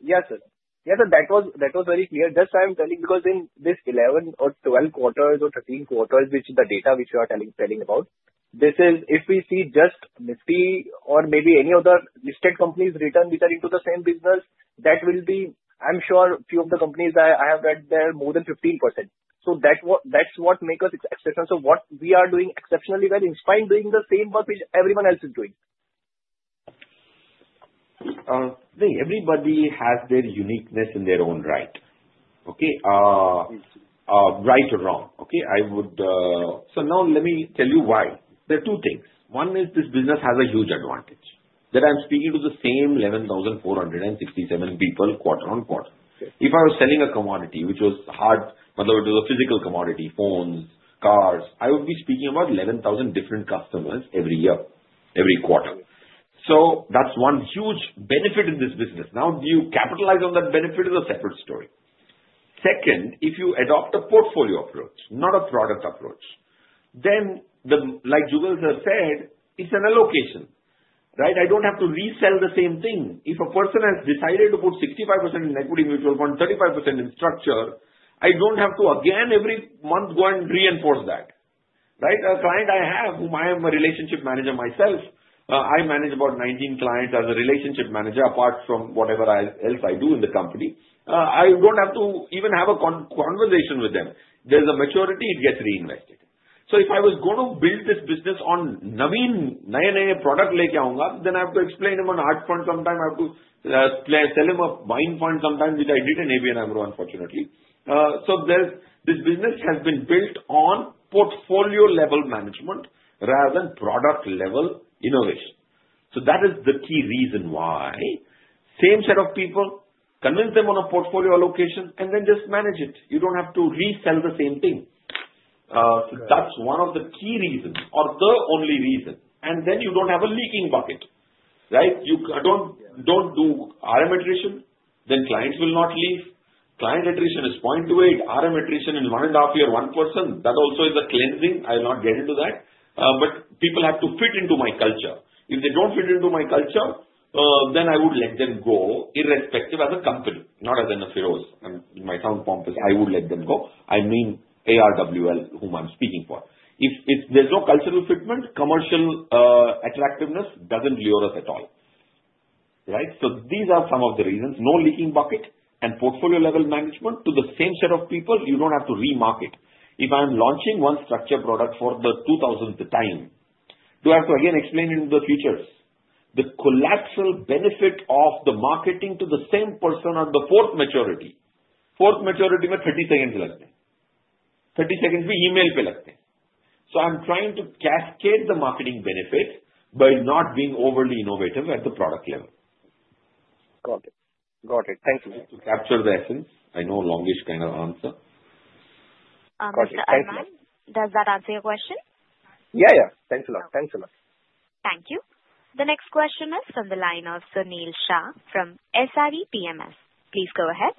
Yes, sir. That was very clear. That's why I'm telling because in this 11 or 12 quarters or 13 quarters, which is the data which you are telling about, this is if we see just Nifty or maybe any other listed companies' return which are into the same business, that will be, I'm sure, a few of the companies I have read there, more than 15%. So that's what makes us exceptional. So what we are doing exceptionally well in spite of doing the same work which everyone else is doing. Everybody has their uniqueness in their own right. Okay. Right or wrong. Okay. So now let me tell you why. There are two things. One is this business has a huge advantage that I'm speaking to the same 11,467 people quarter on quarter. If I was selling a commodity, which was hard, whether it was a physical commodity, phones, cars, I would be speaking about 11,000 different customers every year, every quarter. So that's one huge benefit in this business. Now, do you capitalize on that benefit is a separate story. Second, if you adopt a portfolio approach, not a product approach, then like Jugal sir said, it's an allocation, right? I don't have to resell the same thing. If a person has decided to put 65% in equity mutual fund, 35% in structure, I don't have to again every month go and reinforce that, right? A client I have, whom I am a relationship manager myself, I manage about 19 clients as a relationship manager apart from whatever else I do in the company. I don't have to even have a conversation with them. There's a maturity. It gets reinvested. So if I was going to build this business on new innovative product like AUM growth, then I have to explain him on active fund sometime. I have to sell him an AIF fund sometime, which I did in ABN AMRO, unfortunately. So this business has been built on portfolio level management rather than product level innovation. So that is the key reason why same set of people, convince them on a portfolio allocation, and then just manage it. You don't have to resell the same thing. So that's one of the key reasons or the only reason. Then you don't have a leaking bucket, right? You don't do RM attrition, then clients will not leave. Client attrition is 0.28%. RM attrition in one and a half year, 1%. That also is a cleansing. I will not get into that. But people have to fit into my culture. If they don't fit into my culture, then I would let them go irrespective as a company, not as an Feroze. It may sound pompous. I would let them go. I mean ARWL, whom I'm speaking for. If there's no cultural fitment, commercial attractiveness doesn't lure us at all, right? So these are some of the reasons. No leaking bucket and portfolio level management to the same set of people, you don't have to remarket. If I'm launching one structured product for the 2000th time, do I have to again explain the features? The collateral benefit of the marketing to the same person at the fourth maturity. Fourth maturity means 30 seconds less. 30 seconds we email per lesson. So I'm trying to cascade the marketing benefit by not being overly innovative at the product level. Got it. Got it. Thank you. To capture the essence, I know a longish kind of answer. Mr. Arman, does that answer your question? Yeah. Yeah. Thanks a lot. Thanks a lot. Thank you. The next question is from the line of Sunil Shah from SRE PMS. Please go ahead.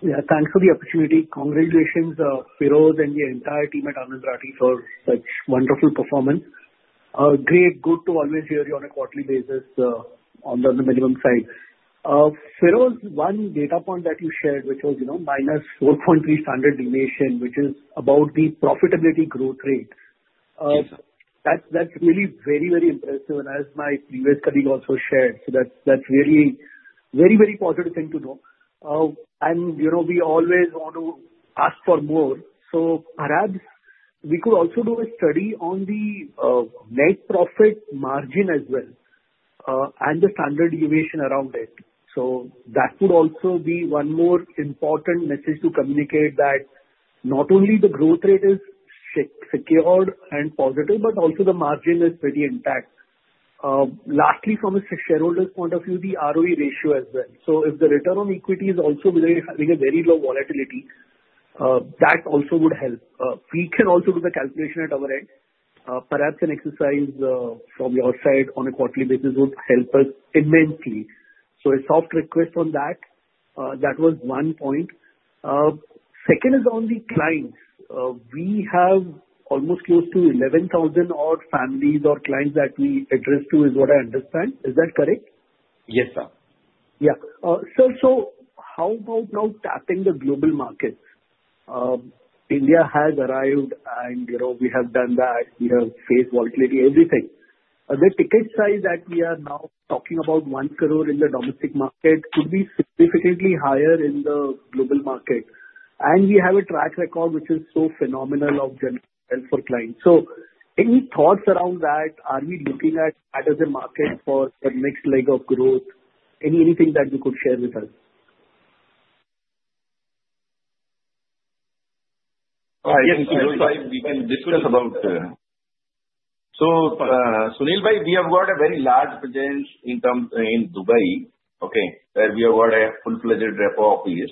Yeah. Thanks for the opportunity. Congratulations, Feroze and your entire team at Anand Rathi for such wonderful performance. Great. Good to always hear you on a quarterly basis from the management side. Feroze, one data point that you shared, which was minus 4.3 standard deviation, which is about the profitability growth rate. That's really very, very impressive. My previous colleague also shared that, so that's really a very, very positive thing to know. We always want to ask for more. Perhaps we could also do a study on the net profit margin as well and the standard deviation around it. That would also be one more important message to communicate that not only the growth rate is secured and positive, but also the margin is pretty intact. Lastly, from a shareholder's point of view, the ROE ratio as well. So if the return on equity is also having a very low volatility, that also would help. We can also do the calculation at our end. Perhaps an exercise from your side on a quarterly basis would help us immensely. So a soft request on that. That was one point. Second is on the clients. We have almost close to 11,000 odd families or clients that we address to, is what I understand. Is that correct? Yes, sir. Yeah. Sir, so how about now tapping the global markets? India has arrived, and we have done that. We have faced volatility, everything. The ticket size that we are now talking about, one crore in the domestic market, could be significantly higher in the global market. And we have a track record which is so phenomenal of general wealth for clients. So any thoughts around that? Are we looking at that as a market for the next leg of growth? Anything that you could share with us? Yes. We can discuss about there. So, Sunil bhai, we have got a very large presence in Dubai, okay, where we have got a full-fledged rep office.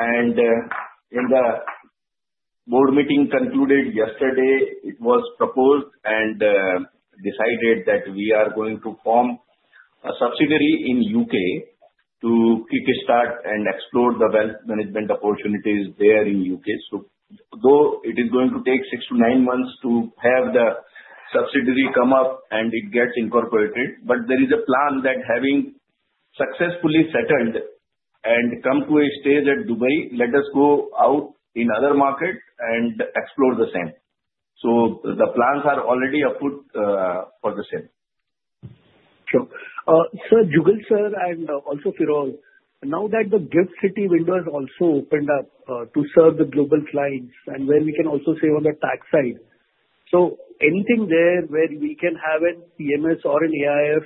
In the board meeting concluded yesterday, it was proposed and decided that we are going to form a subsidiary in the UK to kickstart and explore the wealth management opportunities there in the UK. Though it is going to take six-to-nine months to have the subsidiary come up and it gets incorporated, there is a plan that having successfully settled and come to a stage at Dubai, let us go out in other markets and explore the same. The plans are already up for the same. Sure. Sir Jugal sir and also Feroze, now that the GIFT City window has also opened up to serve the global clients and where we can also save on the tax side, so anything there where we can have a PMS or an AIF,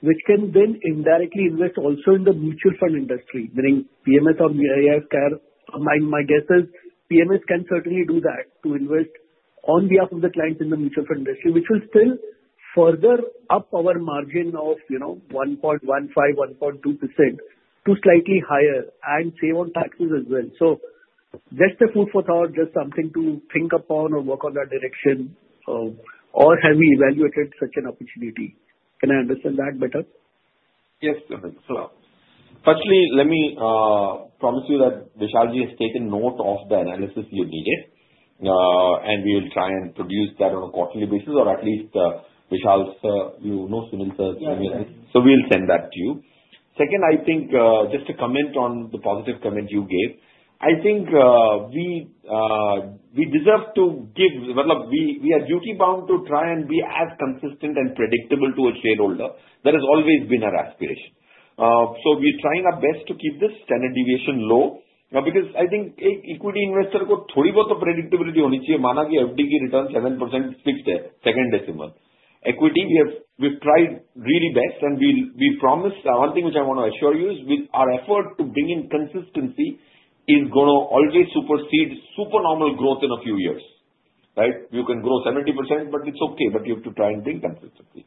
which can then indirectly invest also in the mutual fund industry, meaning PMS or AIF care. My guess is PMS can certainly do that to invest on behalf of the clients in the mutual fund industry, which will still further up our margin of 1.15%-1.2% to slightly higher and save on taxes as well. So just a food for thought, just something to think upon or work on that direction, or have we evaluated such an opportunity? Can I understand that better? Yes, sir. Firstly, let me promise you that Vishalji has taken note of the analysis you needed, and we will try and produce that on a quarterly basis, or at least Vishal sir, you know Sunil sir's email. So we'll send that to you. Second, I think just to comment on the positive comment you gave, I think we deserve to give we are duty-bound to try and be as consistent and predictable to a shareholder. That has always been our aspiration. So we're trying our best to keep this standard deviation low because I think equity investor को थोड़ी बहुत predictability होनी चाहिए, माना कि FD की return 7% fixed second decimal. Equity, we've tried really best, and we promised. One thing which I want to assure you is our effort to bring in consistency is going to always supersede supernormal growth in a few years, right? You can grow 70%, but it's okay, but you have to try and bring consistency.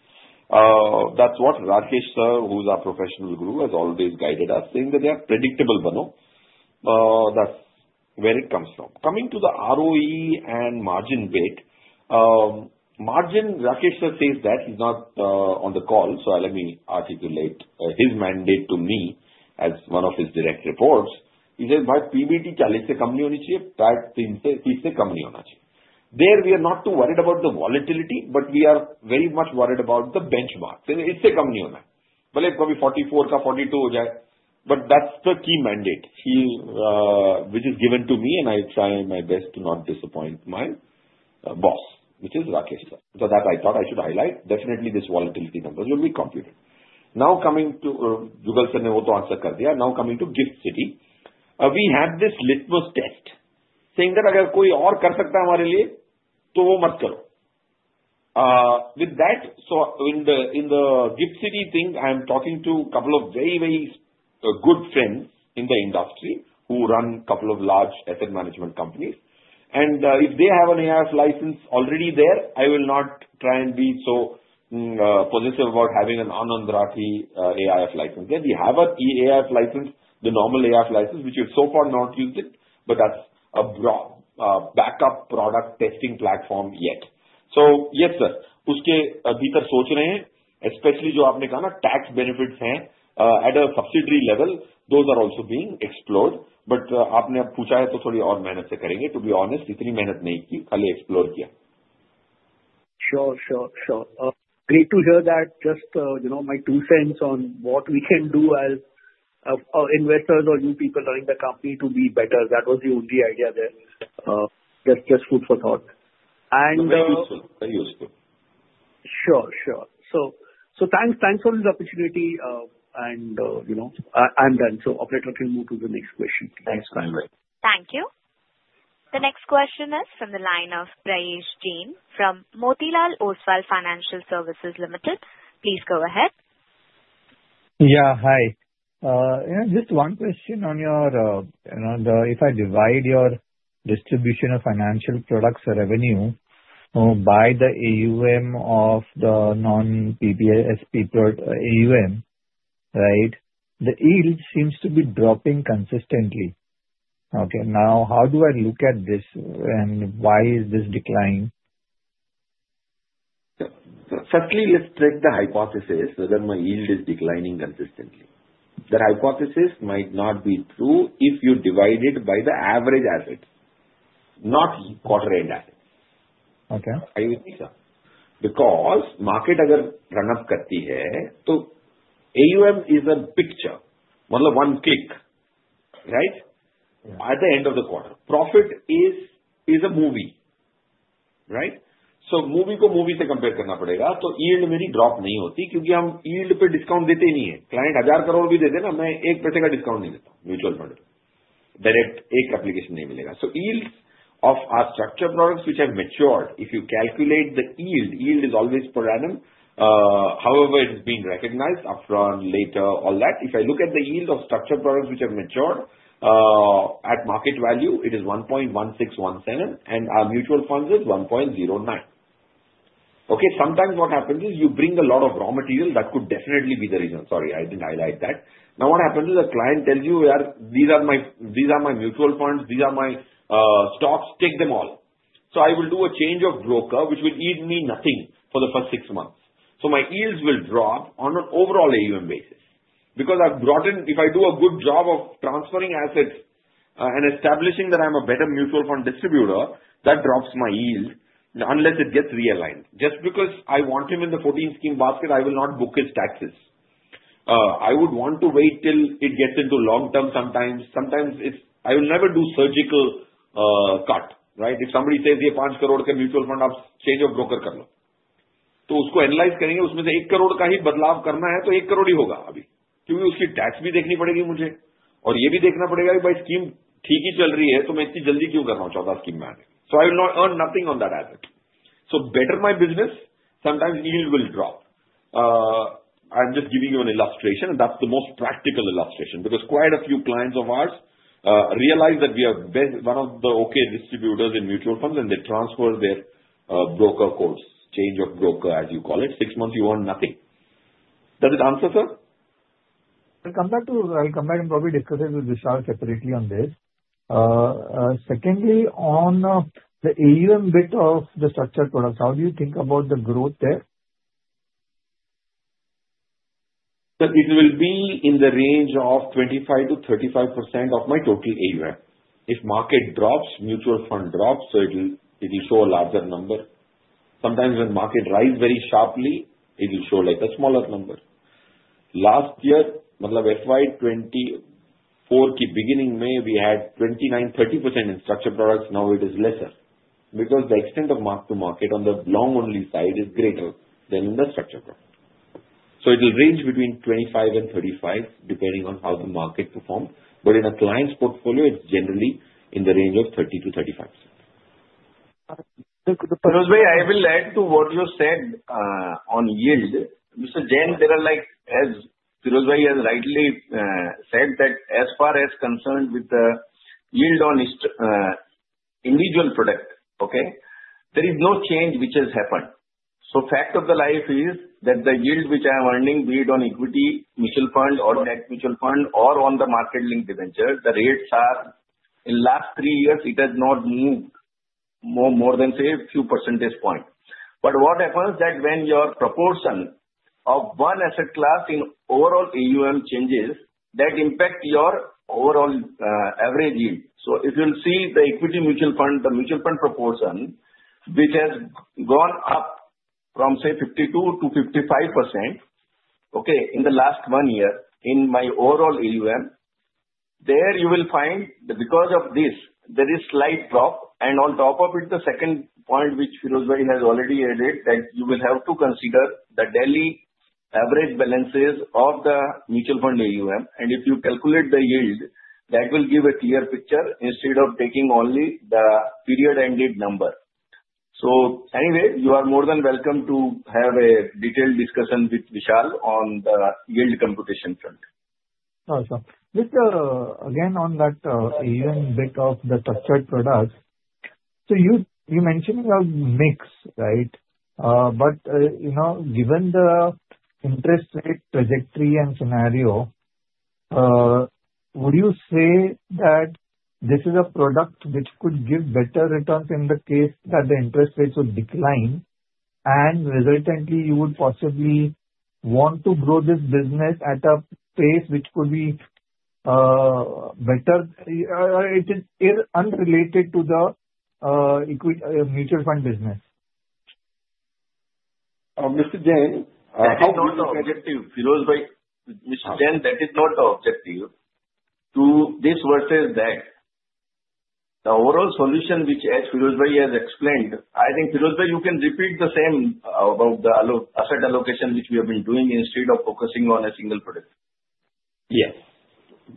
That's what Rakesh sir, who's our professional guru, has always guided us, saying that they are predictable, but that's where it comes from. Coming to the ROE and margin bit, Rakesh sir says that he's not on the call, so let me articulate his mandate to me as one of his direct reports. He says, "Bhai, PBT, 40 से कम नहीं होनी चाहिए, 30 से कम नहीं होना चाहिए." There we are not too worried about the volatility, but we are very much worried about the benchmark. It's a company on that. भले 44 का 42 हो जाए, but that's the key mandate which is given to me, and I try my best to not disappoint my boss, which is Rakesh sir. So that I thought I should highlight. Definitely, this volatility number will be computed. Now coming to Jugal sir ने वो तो answer कर दिया. Now coming to GIFT City, we have this litmus test, saying that अगर कोई और कर सकता है हमारे लिए, तो वो मत करो. With that, so in the GIFT City thing, I am talking to a couple of very, very good friends in the industry who run a couple of large asset management companies. And if they have an AIF license already there, I will not try and be so possessive about having an Anand Rathi AIF license. We have an AIF license, the normal AIF license, which we have so far not used, but that's a backup product testing platform yet. So yes, sir, उसके भीतर सोच रहे हैं, especially जो आपने कहा ना, tax benefits are at a subsidiary level, those are also being explored. But आपने अब पूछा है, तो थोड़ी और मेहनत से करेंगे. To be honest, इतनी मेहनत नहीं की, खाली explore किया. Sure, sure, sure. Great to hear that. Just my two cents on what we can do as investors or new people running the company to be better. That was the only idea there. That's just food for thought. And. Very useful. Very useful. Sure, sure. So thanks for this opportunity, and I'm done. So operator can move to the next question. Thanks, by the way. Thank you. The next question is from the line of Prayesh Jain from Motilal Oswal Financial Services Limited. Please go ahead. Yeah, hi. Just one question on your, if I divide your distribution of financial products revenue by the AUM of the non-PPSP AUM, right, the yield seems to be dropping consistently. Okay. Now, how do I look at this and why is this declining? Firstly, let's take the hypothesis that my yield is declining consistently. The hypothesis might not be true if you divide it by the average asset, not quarter-end asset. Okay. I would think so. Because market अगर run up करती है, तो AUM is a picture, मतलब one click, right, at the end of the quarter. Profit is a movie, right? So movie को movie से compare करना पड़ेगा. तो yield मेरी drop नहीं होती क्योंकि हम yield पे discount देते नहीं हैं. Client हजार crore भी दे दे ना, मैं एक पैसे का discount नहीं देता हूँ mutual fund. Direct एक application नहीं मिलेगा, so yields of our structured products which have matured, if you calculate the yield, yield is always per annum. However, it's been recognized upfront, later, all that. If I look at the yield of structured products which have matured at market value, it is 1.1617, and our mutual funds is 1.09. Okay. Sometimes what happens is you bring a lot of raw material that could definitely be the reason. Sorry, I didn't highlight that. Now what happens is a client tells you, "These are my mutual funds. These are my stocks. Take them all." So I will do a change of broker which will eat me nothing for the first six months. So my yields will drop on an overall AUM basis because I've brought in, if I do a good job of transferring assets and establishing that I'm a better mutual fund distributor, that drops my yield unless it gets realigned. Just because I want him in the 14-scheme basket, I will not book his taxes. I would want to wait till it gets into long-term sometimes. Sometimes I will never do surgical cut, right? If somebody says, "Yeah, ₹5 crore का mutual fund, आप change of broker कर लो," तो उसको analyze करेंगे. उसमें से ₹1 crore का ही बदलाव करना है, तो ₹1 crore ही होगा अभी. Kyunki uski tax bhi dekhni padegi mujhe. Aur yah bhi dekhna padega ki bhai scheme theek hi chal rahi hai, to main itni jaldi kyun kar raha hoon 14-scheme mein aane. So I will not earn nothing on that asset. So better my business, sometimes yield will drop. I'm just giving you an illustration. That's the most practical illustration because quite a few clients of ours realize that we are one of the okay distributors in mutual funds, and they transfer their broker costs, change of broker, as you call it. Six months you earn nothing. Does it answer, sir? I'll come back and probably discuss it with Vishal separately on this. Secondly, on the AUM bit of the structured products, how do you think about the growth there? It will be in the range of 25%-35% of my total AUM. If market drops, mutual fund drops, so it will show a larger number. Sometimes when market rises very sharply, it will show a smaller number. Last year, FY 2024 key beginning maybe had 29%-30% in structured products. Now it is lesser because the extent of mark-to-market on the long-only side is greater than in the structured product. So it will range between 25%-35% depending on how the market performed. But in a client's portfolio, it's generally in the range of 30%-35%. Feroze bhai, I will add to what you said on yield. Mr. Jain, as Feroze bhai has rightly said, that as far as concerned with the yield on individual product, okay, there is no change which has happened. So the fact of life is that the yield which I am earning be it on equity, mutual fund, or debt mutual fund, or on the market-linked debenture, the rates are in the last three years, it has not moved more than say a few percentage points. But what happens is that when your proportion of one asset class in overall AUM changes, that impacts your overall average yield. So if you'll see the equity mutual fund, the mutual fund proportion, which has gone up from say 52% to 55%, okay, in the last one year in my overall AUM, there you will find that because of this, there is slight drop. And on top of it, the second point which Feroze bhai has already added, that you will have to consider the daily average balances of the mutual fund AUM. And if you calculate the yield, that will give a clear picture instead of taking only the period-ended number. So anyway, you are more than welcome to have a detailed discussion with Vishal on the yield computation front. Awesome. Again, on that AUM bit of the structured products, so you mentioned a mix, right? But given the interest rate trajectory and scenario, would you say that this is a product which could give better returns in the case that the interest rates would decline, and resultantly, you would possibly want to grow this business at a pace which could be better? It is unrelated to the mutual fund business. Mr. Jain, how is it objective? Feroze bhai, Mr. Jain, that is not objective to this versus that. The overall solution which Feroze bhai has explained, I think Feroze bhai, you can repeat the same about the asset allocation which we have been doing instead of focusing on a single product. Yes.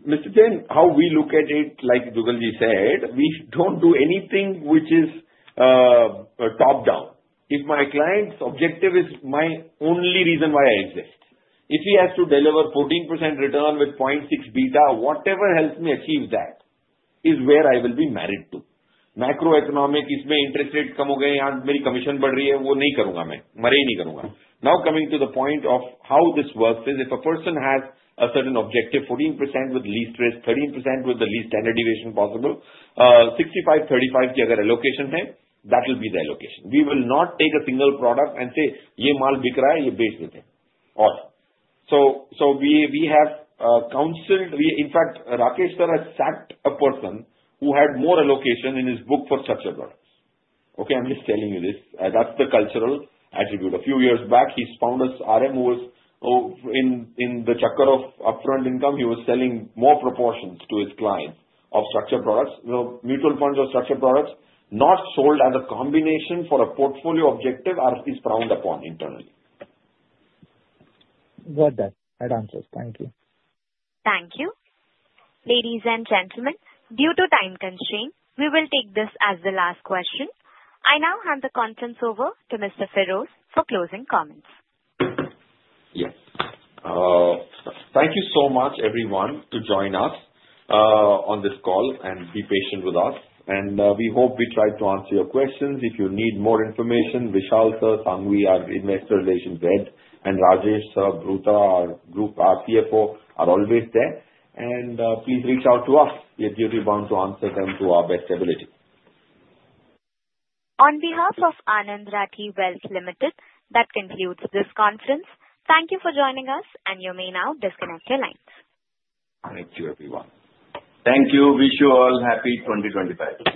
Mr. Jain, how we look at it, like Jugalji said, we don't do anything which is top-down. If my client's objective is my only reason why I exist, if he has to deliver 14% return with 0.6 beta, whatever helps me achieve that is where I will be married to. Macroeconomic, इसमें interest rate कम हो गए, यहां मेरी commission बढ़ रही है, वो नहीं करूंगा मैं. मैं ही नहीं करूंगा. Now coming to the point of how this works is if a person has a certain objective, 14% with least risk, 13% with the least standard deviation possible, 65, 35 की अगर allocation है, that will be the allocation. We will not take a single product and say, "Yeah, माल बिक रहा है," ये बेच देते हैं. All. So we have counseled. In fact, Rakesh sir has sacked a person who had more allocation in his book for structured products. Okay, I'm just telling you this. That's the cultural attribute. A few years back, he found our RM who was in the chakkar of upfront income. He was selling more proportions to his clients of structured products. The mutual funds or structured products not sold as a combination for a portfolio objective are frowned upon internally. Got that. That answers. Thank you. Thank you. Ladies and gentlemen, due to time constraint, we will take this as the last question. I now hand the conference over to Mr. Feroze for closing comments. Yes. Thank you so much, everyone, to join us on this call and be patient with us. And we hope we tried to answer your questions. If you need more information, Vishal sir, Sanghavi, our investor relations head, and Rajesh sir, Bhutra, our Group CFO, are always there. And please reach out to us. We are duty bound to answer them to our best ability. On behalf of Anand Rathi Wealth Limited, that concludes this conference. Thank you for joining us, and you may now disconnect your lines. Thank you, everyone. Thank you. Wish you all happy 2025.